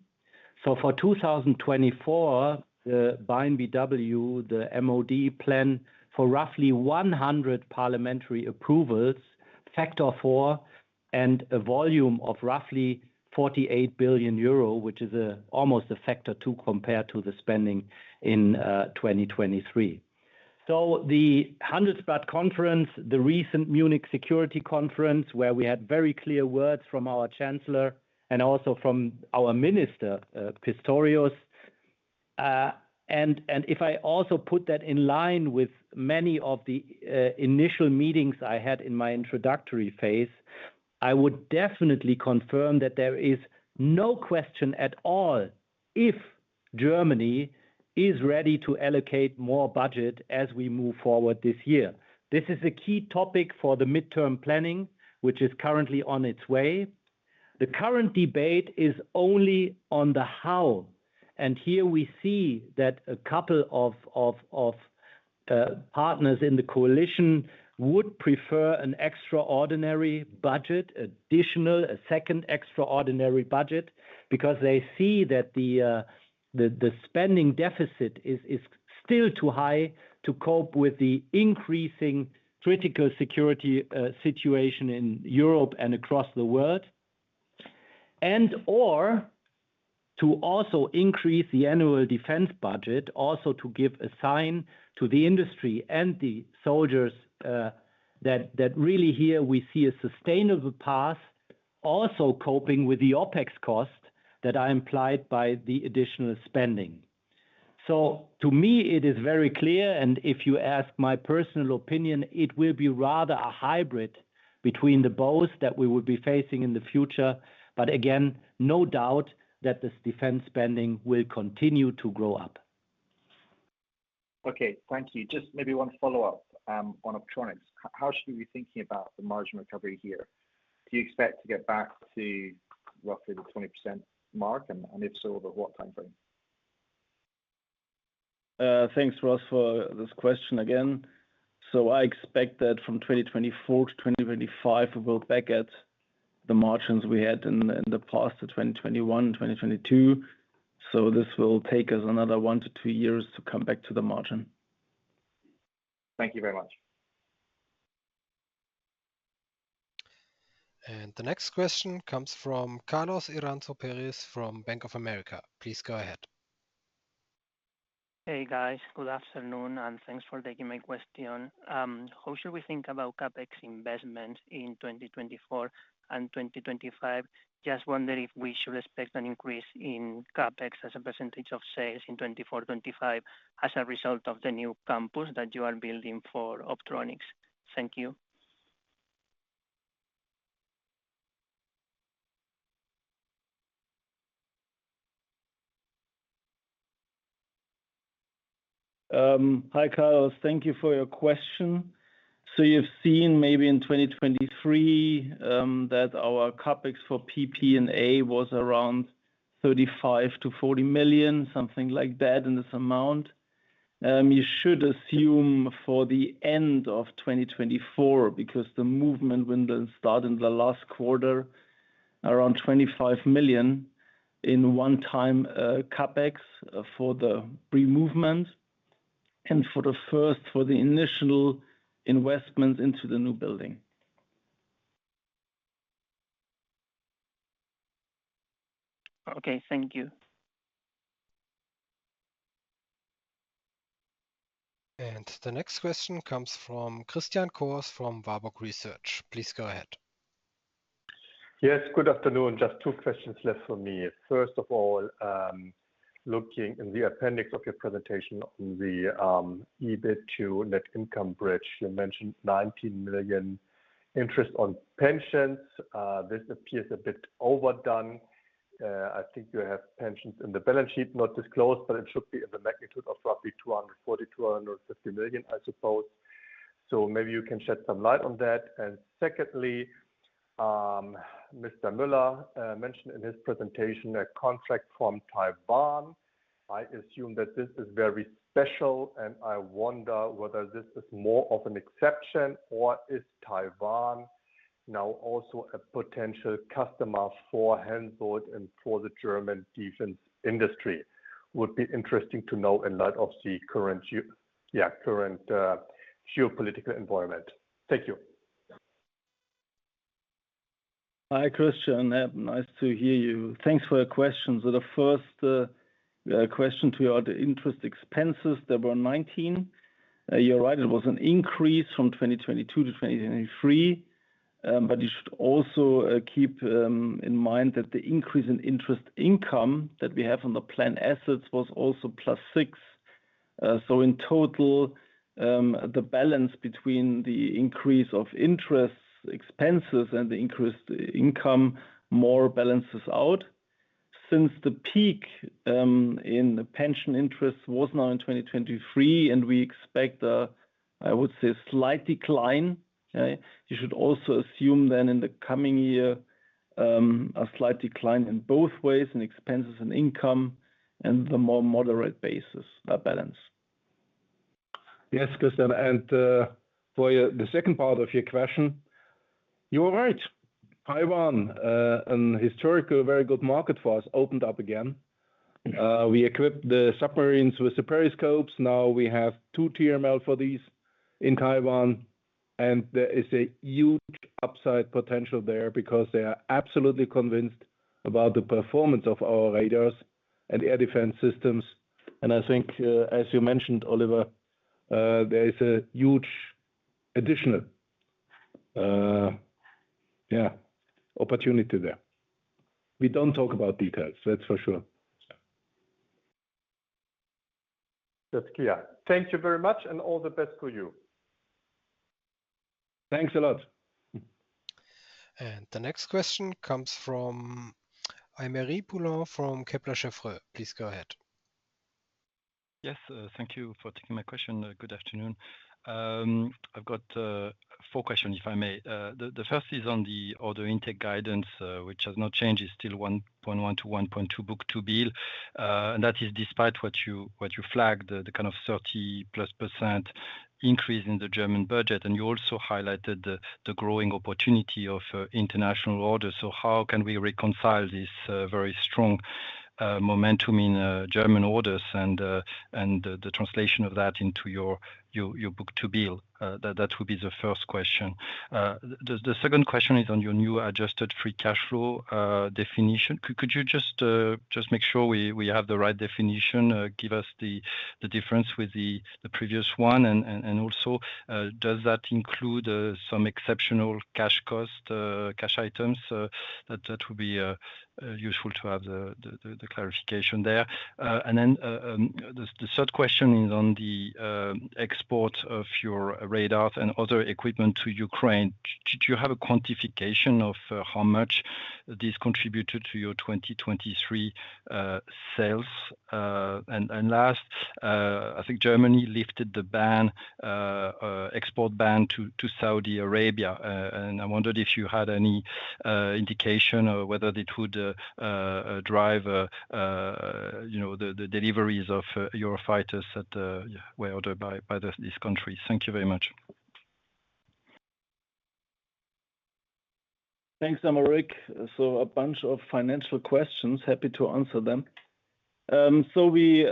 So for 2024, the BAAINBw, the MOD, planned for roughly 100 parliamentary approvals, factor four, and a volume of roughly 48 billion euro, which is almost a factor two compared to the spending in 2023. So the Handelsblatt conference, the recent Munich Security Conference, where we had very clear words from our Chancellor and also from our Minister, Pistorius. If I also put that in line with many of the initial meetings I had in my introductory phase, I would definitely confirm that there is no question at all if Germany is ready to allocate more budget as we move forward this year. This is a key topic for the midterm planning, which is currently on its way. The current debate is only on the how. Here we see that a couple of partners in the coalition would prefer an extraordinary budget, additional, a second extraordinary budget, because they see that the spending deficit is still too high to cope with the increasing critical security situation in Europe and across the world.
And to also increase the annual defense budget, also to give a sign to the industry and the soldiers that really here we see a sustainable path, also coping with the OpEx costs that I incurred by the additional spending. So to me, it is very clear. And if you ask my personal opinion, it will be rather a hybrid between the votes that we will be facing in the future. But again, no doubt that this defense spending will continue to grow.
Okay, thank you. Just maybe one follow-up on Optronics. How should we be thinking about the margin recovery here? Do you expect to get back to roughly the 20% mark? And if so, over what timeframe?
Thanks, Ross, for this question again. So I expect that from 2024 to 2025, we will be back at the margins we had in the past, 2021, 2022. So this will take us another one to two years to come back to the margin.
Thank you very much.
The next question comes from Carlos Iranzo Peris from Bank of America. Please go ahead.
Hey, guys. Good afternoon. Thanks for taking my question. How should we think about CapEx investments in 2024 and 2025? Just wonder if we should expect an increase in CapEx as a percentage of sales in 2024-2025 as a result of the new campus that you are building for Optronics. Thank you.
Hi, Carlos. Thank you for your question. So you've seen maybe in 2023 that our CapEx for PP&A was around 35 million-40 million, something like that in this amount. You should assume for the end of 2024, because the movement window started in the last quarter, around 25 million in one-time CapEx for the pre-movement and for the first, for the initial investments into the new building.
Okay, thank you.
The next question comes from Christian Cohrs from Warburg Research. Please go ahead.
Yes, good afternoon. Just two questions left for me. First of all, looking in the appendix of your presentation on the EBIT to net income bridge, you mentioned 19 million interest on pensions. This appears a bit overdone. I think you have pensions in the balance sheet not disclosed, but it should be in the magnitude of roughly 240 million, 250 million, I suppose. So maybe you can shed some light on that. And secondly, Mr. Müller mentioned in his presentation a contract from Taiwan. I assume that this is very special, and I wonder whether this is more of an exception or is Taiwan now also a potential customer for Hensoldt and for the German defense industry. Would be interesting to know in light of the current geopolitical environment. Thank you.
Hi, Christian. Nice to hear you. Thanks for your question. So the first question to your interest expenses, there were 19 million. You're right, it was an increase from 2022 to 2023. But you should also keep in mind that the increase in interest income that we have on the plan assets was also +6. So in total, the balance between the increase of interest expenses and the increased income more balances out. Since the peak in pension interest was now in 2023, and we expect a, I would say, slight decline. You should also assume then in the coming year a slight decline in both ways, in expenses and income, and the more moderate basis, a balance.
Yes, Christian. And for the second part of your question, you're right. Taiwan, a historically very good market for us, opened up again. We equipped the submarines with periscopes. Now we have two TRML-4Ds in Taiwan. There is a huge upside potential there because they are absolutely convinced about the performance of our radars and air defense systems. I think, as you mentioned, Oliver, there is a huge additional, yeah, opportunity there. We don't talk about details. That's for sure.
That's clear. Thank you very much and all the best for you.
Thanks a lot.
The next question comes from Aymeric Poulain from Kepler Cheuvreux. Please go ahead.
Yes, thank you for taking my question. Good afternoon. I've got four questions, if I may. The first is on the order intake guidance, which has not changed. It's still 1.1-1.2 book-to-bill. That is despite what you flagged, the kind of 30+% increase in the German budget. You also highlighted the growing opportunity of international orders. So how can we reconcile this very strong momentum in German orders and the translation of that into your book-to-bill? That would be the first question. The second question is on your new adjusted free cash flow definition. Could you just make sure we have the right definition? Give us the difference with the previous one. Also, does that include some exceptional cash cost, cash items? That would be useful to have the clarification there. And then the third question is on the export of your radars and other equipment to Ukraine. Do you have a quantification of how much this contributed to your 2023 sales? And last, I think Germany lifted the export ban to Saudi Arabia. And I wondered if you had any indication or whether it would drive the deliveries of Eurofighters that were ordered by these countries. Thank you very much.
Thanks, Aymeric. So a bunch of financial questions. Happy to answer them. So we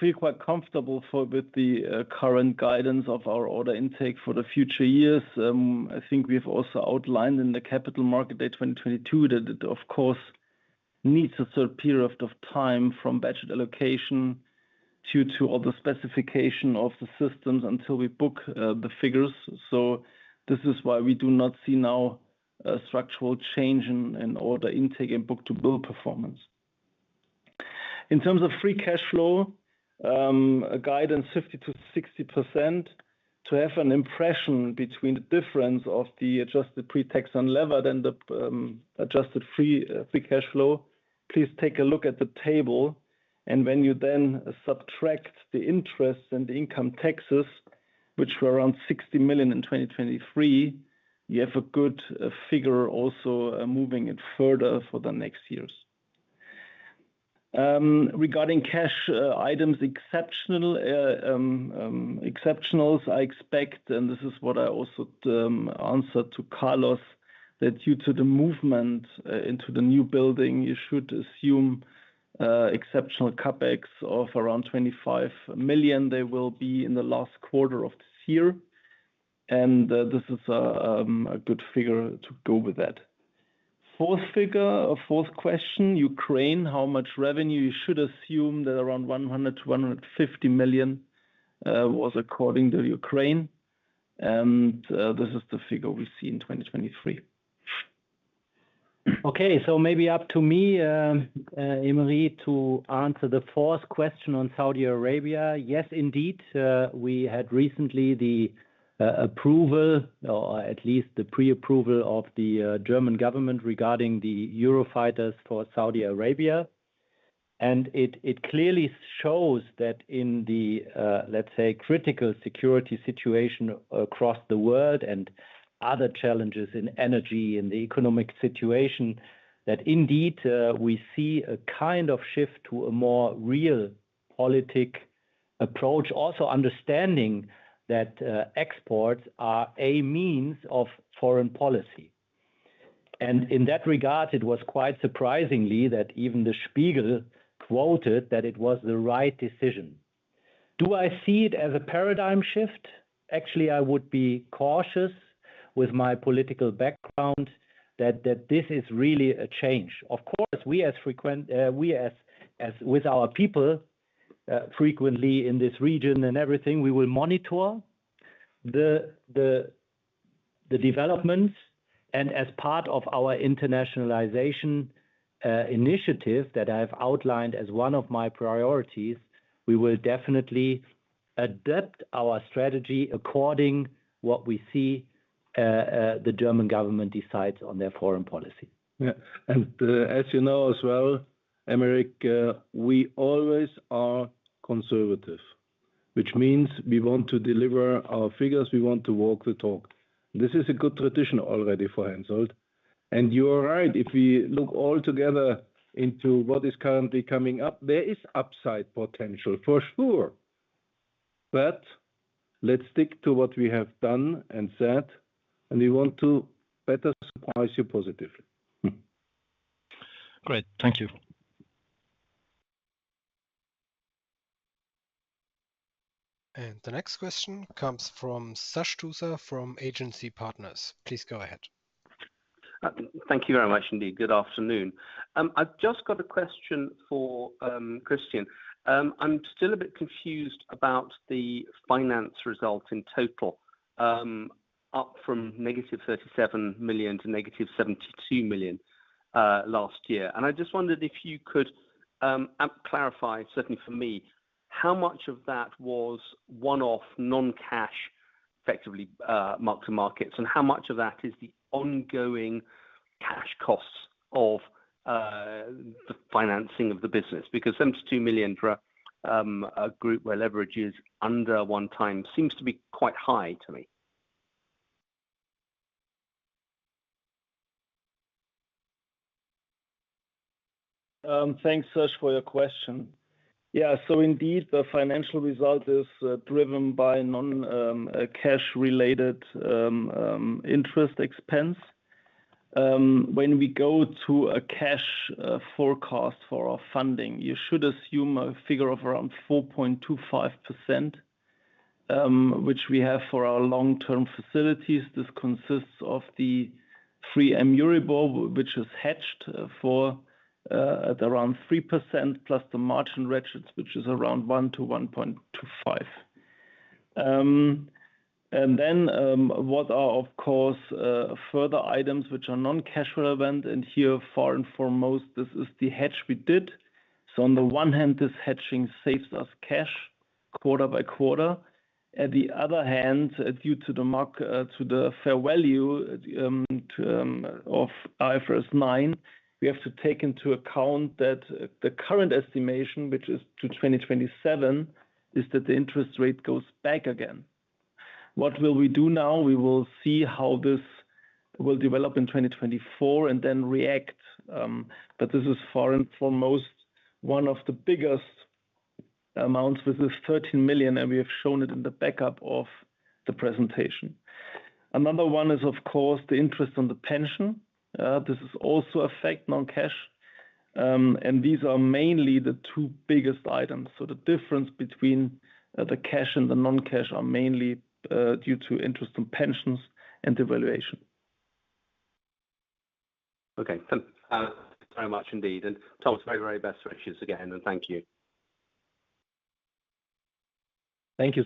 feel quite comfortable with the current guidance of our order intake for the future years. I think we have also outlined in the Capital Market Day 2022 that it, of course, needs a certain period of time from budget allocation due to all the specification of the systems until we book the figures. So this is why we do not see now a structural change in order intake and book-to-bill performance. In terms of free cash flow, a guidance 50%-60%, to have an impression between the difference of the adjusted pre-tax unlevered than the adjusted free cash flow, please take a look at the table. And when you then subtract the interests and the income taxes, which were around 60 million in 2023, you have a good figure also moving it further for the next years. Regarding cash items, exceptionals I expect, and this is what I also answered to Carlos, that due to the movement into the new building, you should assume exceptional CapEx of around 25 million. They will be in the last quarter of this year. And this is a good figure to go with that. Fourth figure, fourth question, Ukraine, how much revenue you should assume that around 100 million-150 million was according to Ukraine. And this is the figure we see in 2023.
Okay, so maybe up to me, Aymeric, to answer the fourth question on Saudi Arabia. Yes, indeed. We had recently the approval, or at least the pre-approval, of the German government regarding the Eurofighters for Saudi Arabia. And it clearly shows that in the, let's say, critical security situation across the world and other challenges in energy, in the economic situation, that indeed we see a kind of shift to a more realpolitik approach, also understanding that exports are a means of foreign policy. And in that regard, it was quite surprisingly that even Der Spiegel quoted that it was the right decision. Do I see it as a paradigm shift? Actually, I would be cautious with my political background that this is really a change. Of course, we as with our people frequently in this region and everything, we will monitor the developments. As part of our internationalization initiative that I have outlined as one of my priorities, we will definitely adapt our strategy according to what we see the German government decides on their foreign policy.
Yeah. And as you know as well, Aymeric, we always are conservative, which means we want to deliver our figures. We want to walk the talk. This is a good tradition already for Hensoldt. And you're right. If we look altogether into what is currently coming up, there is upside potential, for sure. But let's stick to what we have done and said. And we want to better surprise you positively.
Great. Thank you.
The next question comes from Sash Tusa from Agency Partners. Please go ahead.
Thank you very much, indeed. Good afternoon. I've just got a question for Christian. I'm still a bit confused about the finance result in total, up from -37 million to -72 million last year. I just wondered if you could clarify, certainly for me, how much of that was one-off, non-cash, effectively, mark-to-markets, and how much of that is the ongoing cash costs of the financing of the business? Because 72 million for a group where leverage is under 1x seems to be quite high to me.
Thanks, Sash, for your question. Yeah, so indeed, the financial result is driven by non-cash-related interest expense. When we go to a cash forecast for our funding, you should assume a figure of around 4.25%, which we have for our long-term facilities. This consists of the free EURIBOR, which is hedged at around 3%, plus the margin spreads, which is around 1%-1.25%. And then what are, of course, further items which are non-cash relevant? And here, first and foremost, this is the hedge we did. So on the one hand, this hedging saves us cash quarter by quarter. On the other hand, due to the fair value of IFRS 9, we have to take into account that the current estimation, which is to 2027, is that the interest rate goes back again. What will we do now? We will see how this will develop in 2024 and then react. But this is, far and foremost, one of the biggest amounts, with the 13 million, and we have shown it in the backup of the presentation. Another one is, of course, the interest on the pension. This is also affecting non-cash. And these are mainly the two biggest items. So the difference between the cash and the non-cash are mainly due to interest on pensions and devaluation.
Okay. Thanks very much, indeed. Thomas, very, very best wishes again. Thank you.
Thank you,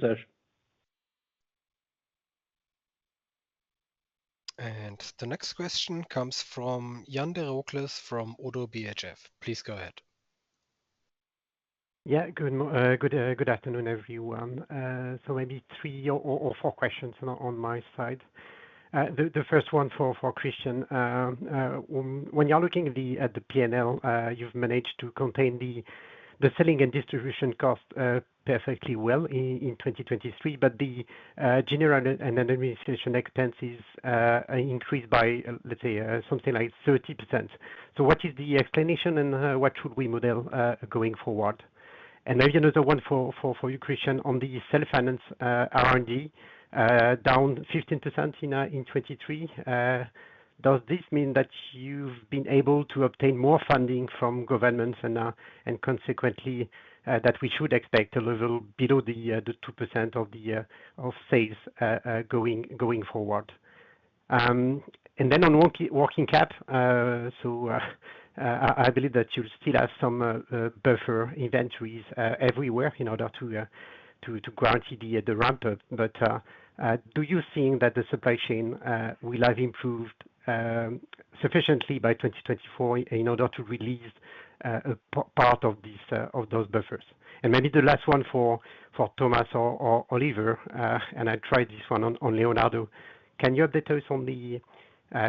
Sash. The next question comes from Yan Derocles from ODDO BHF. Please go ahead.
Yeah, good afternoon, everyone. So maybe three or four questions on my side. The first one for Christian. When you're looking at the P&L, you've managed to contain the selling and distribution costs perfectly well in 2023, but the general and administration expenses increased by, let's say, something like 30%. So what is the explanation and what should we model going forward? And maybe another one for you, Christian, on the self-finance R&D, down 15% in 2023. Does this mean that you've been able to obtain more funding from governments and consequently that we should expect a little below the 2% of sales going forward? And then on working cap, so I believe that you'll still have some buffer inventories everywhere in order to guarantee the ramp-up. But do you think that the supply chain will have improved sufficiently by 2024 in order to release part of those buffers? And maybe the last one for Thomas or Oliver, and I'll try this one on Leonardo. Can you update us on the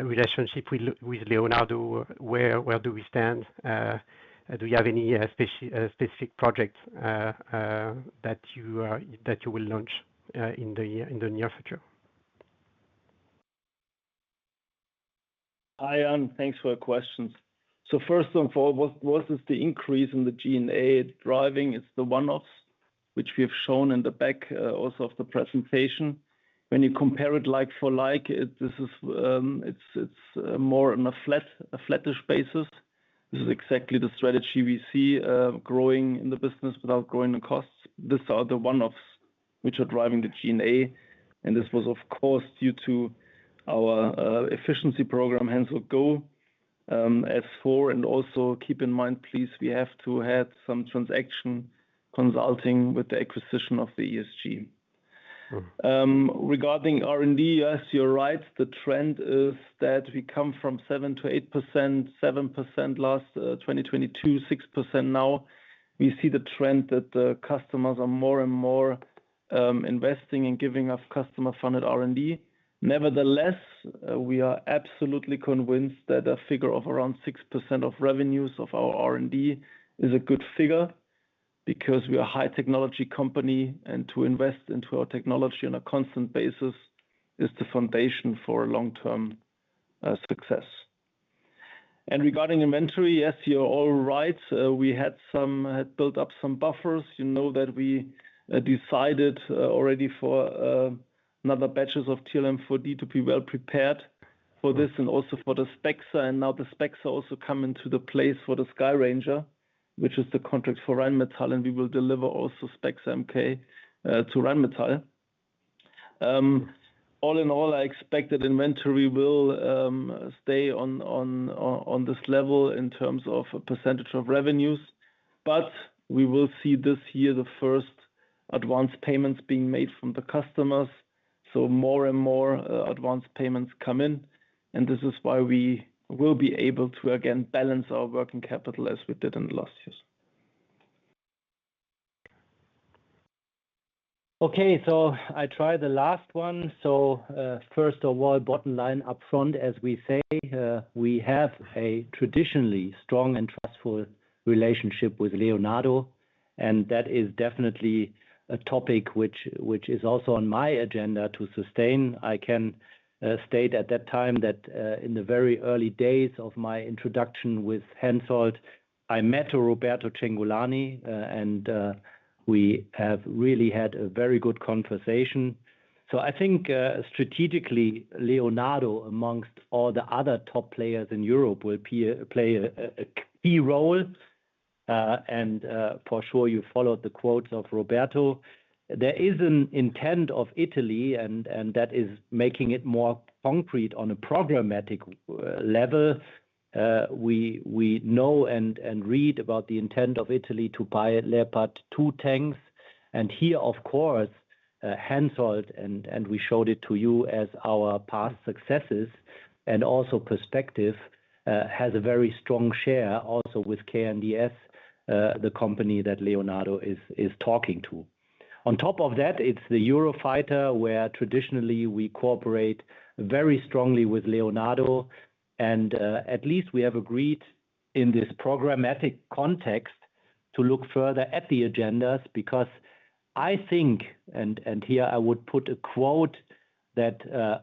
relationship with Leonardo? Where do we stand? Do you have any specific projects that you will launch in the near future?
Hi, Anne. Thanks for your questions. So first and foremost, what is the increase in the G&A driving? It's the one-offs, which we have shown in the back also of the presentation. When you compare it like for like, it's more on a flat-ish basis. This is exactly the strategy we see growing in the business without growing the costs. These are the one-offs which are driving the G&A. And this was, of course, due to our efficiency program, Hensoldt Go! S/4. And also keep in mind, please, we have to add some transaction consulting with the acquisition of the ESG. Regarding R&D, yes, you're right. The trend is that we come from 7%-8%, 7% last 2022, 6% now. We see the trend that customers are more and more investing and giving up customer-funded R&D. Nevertheless, we are absolutely convinced that a figure of around 6% of revenues of our R&D is a good figure because we are a high-technology company, and to invest into our technology on a constant basis is the foundation for long-term success. Regarding inventory, yes, you're all right. We had built up some buffers. You know that we decided already for another batches of TRML-4D to be well prepared for this and also for the SPEXER. And now the SPEXER also come into the place for the Skyranger, which is the contract for Rheinmetall. And we will deliver also SPEXER MK to Rheinmetall. All in all, I expect that inventory will stay on this level in terms of a percentage of revenues. But we will see this year, the first advance payments being made from the customers. So more and more advance payments come in. This is why we will be able to, again, balance our working capital as we did in the last years.
Okay, so I try the last one. First of all, bottom line up front, as we say, we have a traditionally strong and trustful relationship with Leonardo. And that is definitely a topic which is also on my agenda to sustain. I can state at that time that in the very early days of my introduction with Hensoldt, I met Roberto Cingolani, and we have really had a very good conversation. So I think strategically, Leonardo, among all the other top players in Europe, will play a key role. And for sure, you followed the quotes of Roberto. There is an intent of Italy, and that is making it more concrete on a programmatic level. We know and read about the intent of Italy to buy Leopard 2 tanks. And here, of course, Hensoldt, and we showed it to you as our past successes and also perspective, has a very strong share also with KNDS, the company that Leonardo is talking to. On top of that, it's the Eurofighter where traditionally we cooperate very strongly with Leonardo. And at least we have agreed in this programmatic context to look further at the agendas because I think, and here I would put a quote that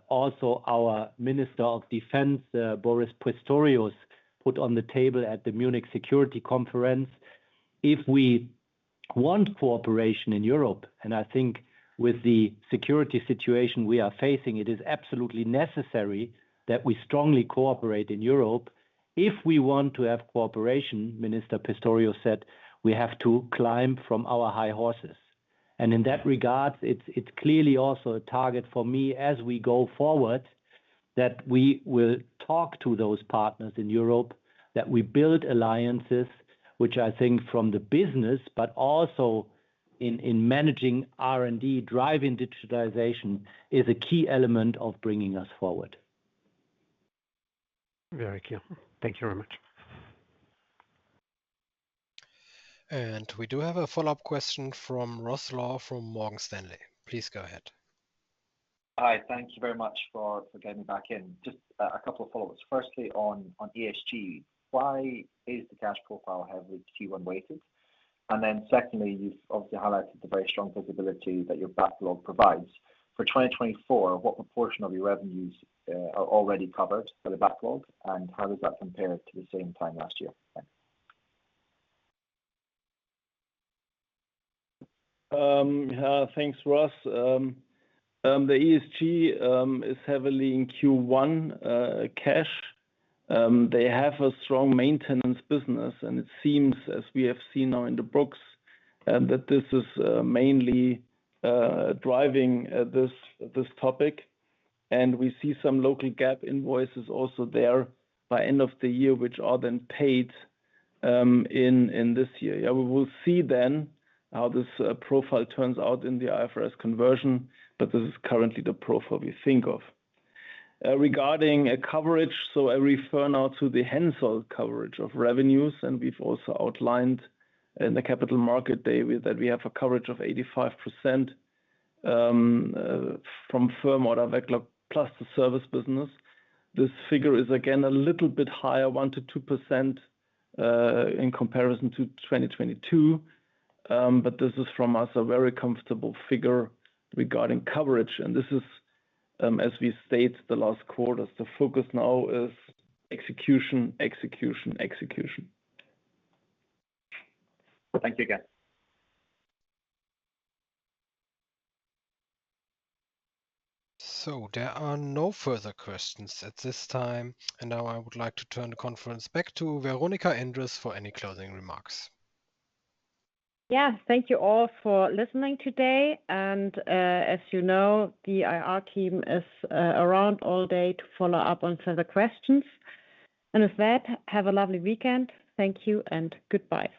also our Minister of Defense, Boris Pistorius, put on the table at the Munich Security Conference, "If we want cooperation in Europe, and I think with the security situation we are facing, it is absolutely necessary that we strongly cooperate in Europe. If we want to have cooperation," Minister Pistorius said, "we have to climb from our high horses." And in that regard, it's clearly also a target for me as we go forward that we will talk to those partners in Europe, that we build alliances, which I think from the business, but also in managing R&D, driving digitalization, is a key element of bringing us forward.
Very clear. Thank you very much.
We do have a follow-up question from Ross Law from Morgan Stanley. Please go ahead.
Hi. Thank you very much for getting me back in. Just a couple of follow-ups. Firstly, on ESG, why is the cash profile heavily Q1-weighted? And then secondly, you've obviously highlighted the very strong visibility that your backlog provides. For 2024, what proportion of your revenues are already covered by the backlog, and how does that compare to the same time last year?
Thanks, Ross. The ESG is heavily in Q1 cash. They have a strong maintenance business, and it seems, as we have seen now in the books, that this is mainly driving this topic. We see some local GAAP invoices also there by end of the year, which are then paid in this year. Yeah, we will see then how this profile turns out in the IFRS conversion, but this is currently the profile we think of. Regarding coverage, so I refer now to the Hensoldt coverage of revenues, and we've also outlined in the Capital Market Day that we have a coverage of 85% from firm order backlog plus the service business. This figure is, again, a little bit higher, 1%-2% in comparison to 2022. This is from us a very comfortable figure regarding coverage. This is, as we state, the last quarter. Focus now is execution, execution, execution.
Thank you again.
There are no further questions at this time. Now I would like to turn the conference back to Veronika Endres for any closing remarks.
Yeah, thank you all for listening today. As you know, the IR team is around all day to follow up on further questions. With that, have a lovely weekend. Thank you and goodbye.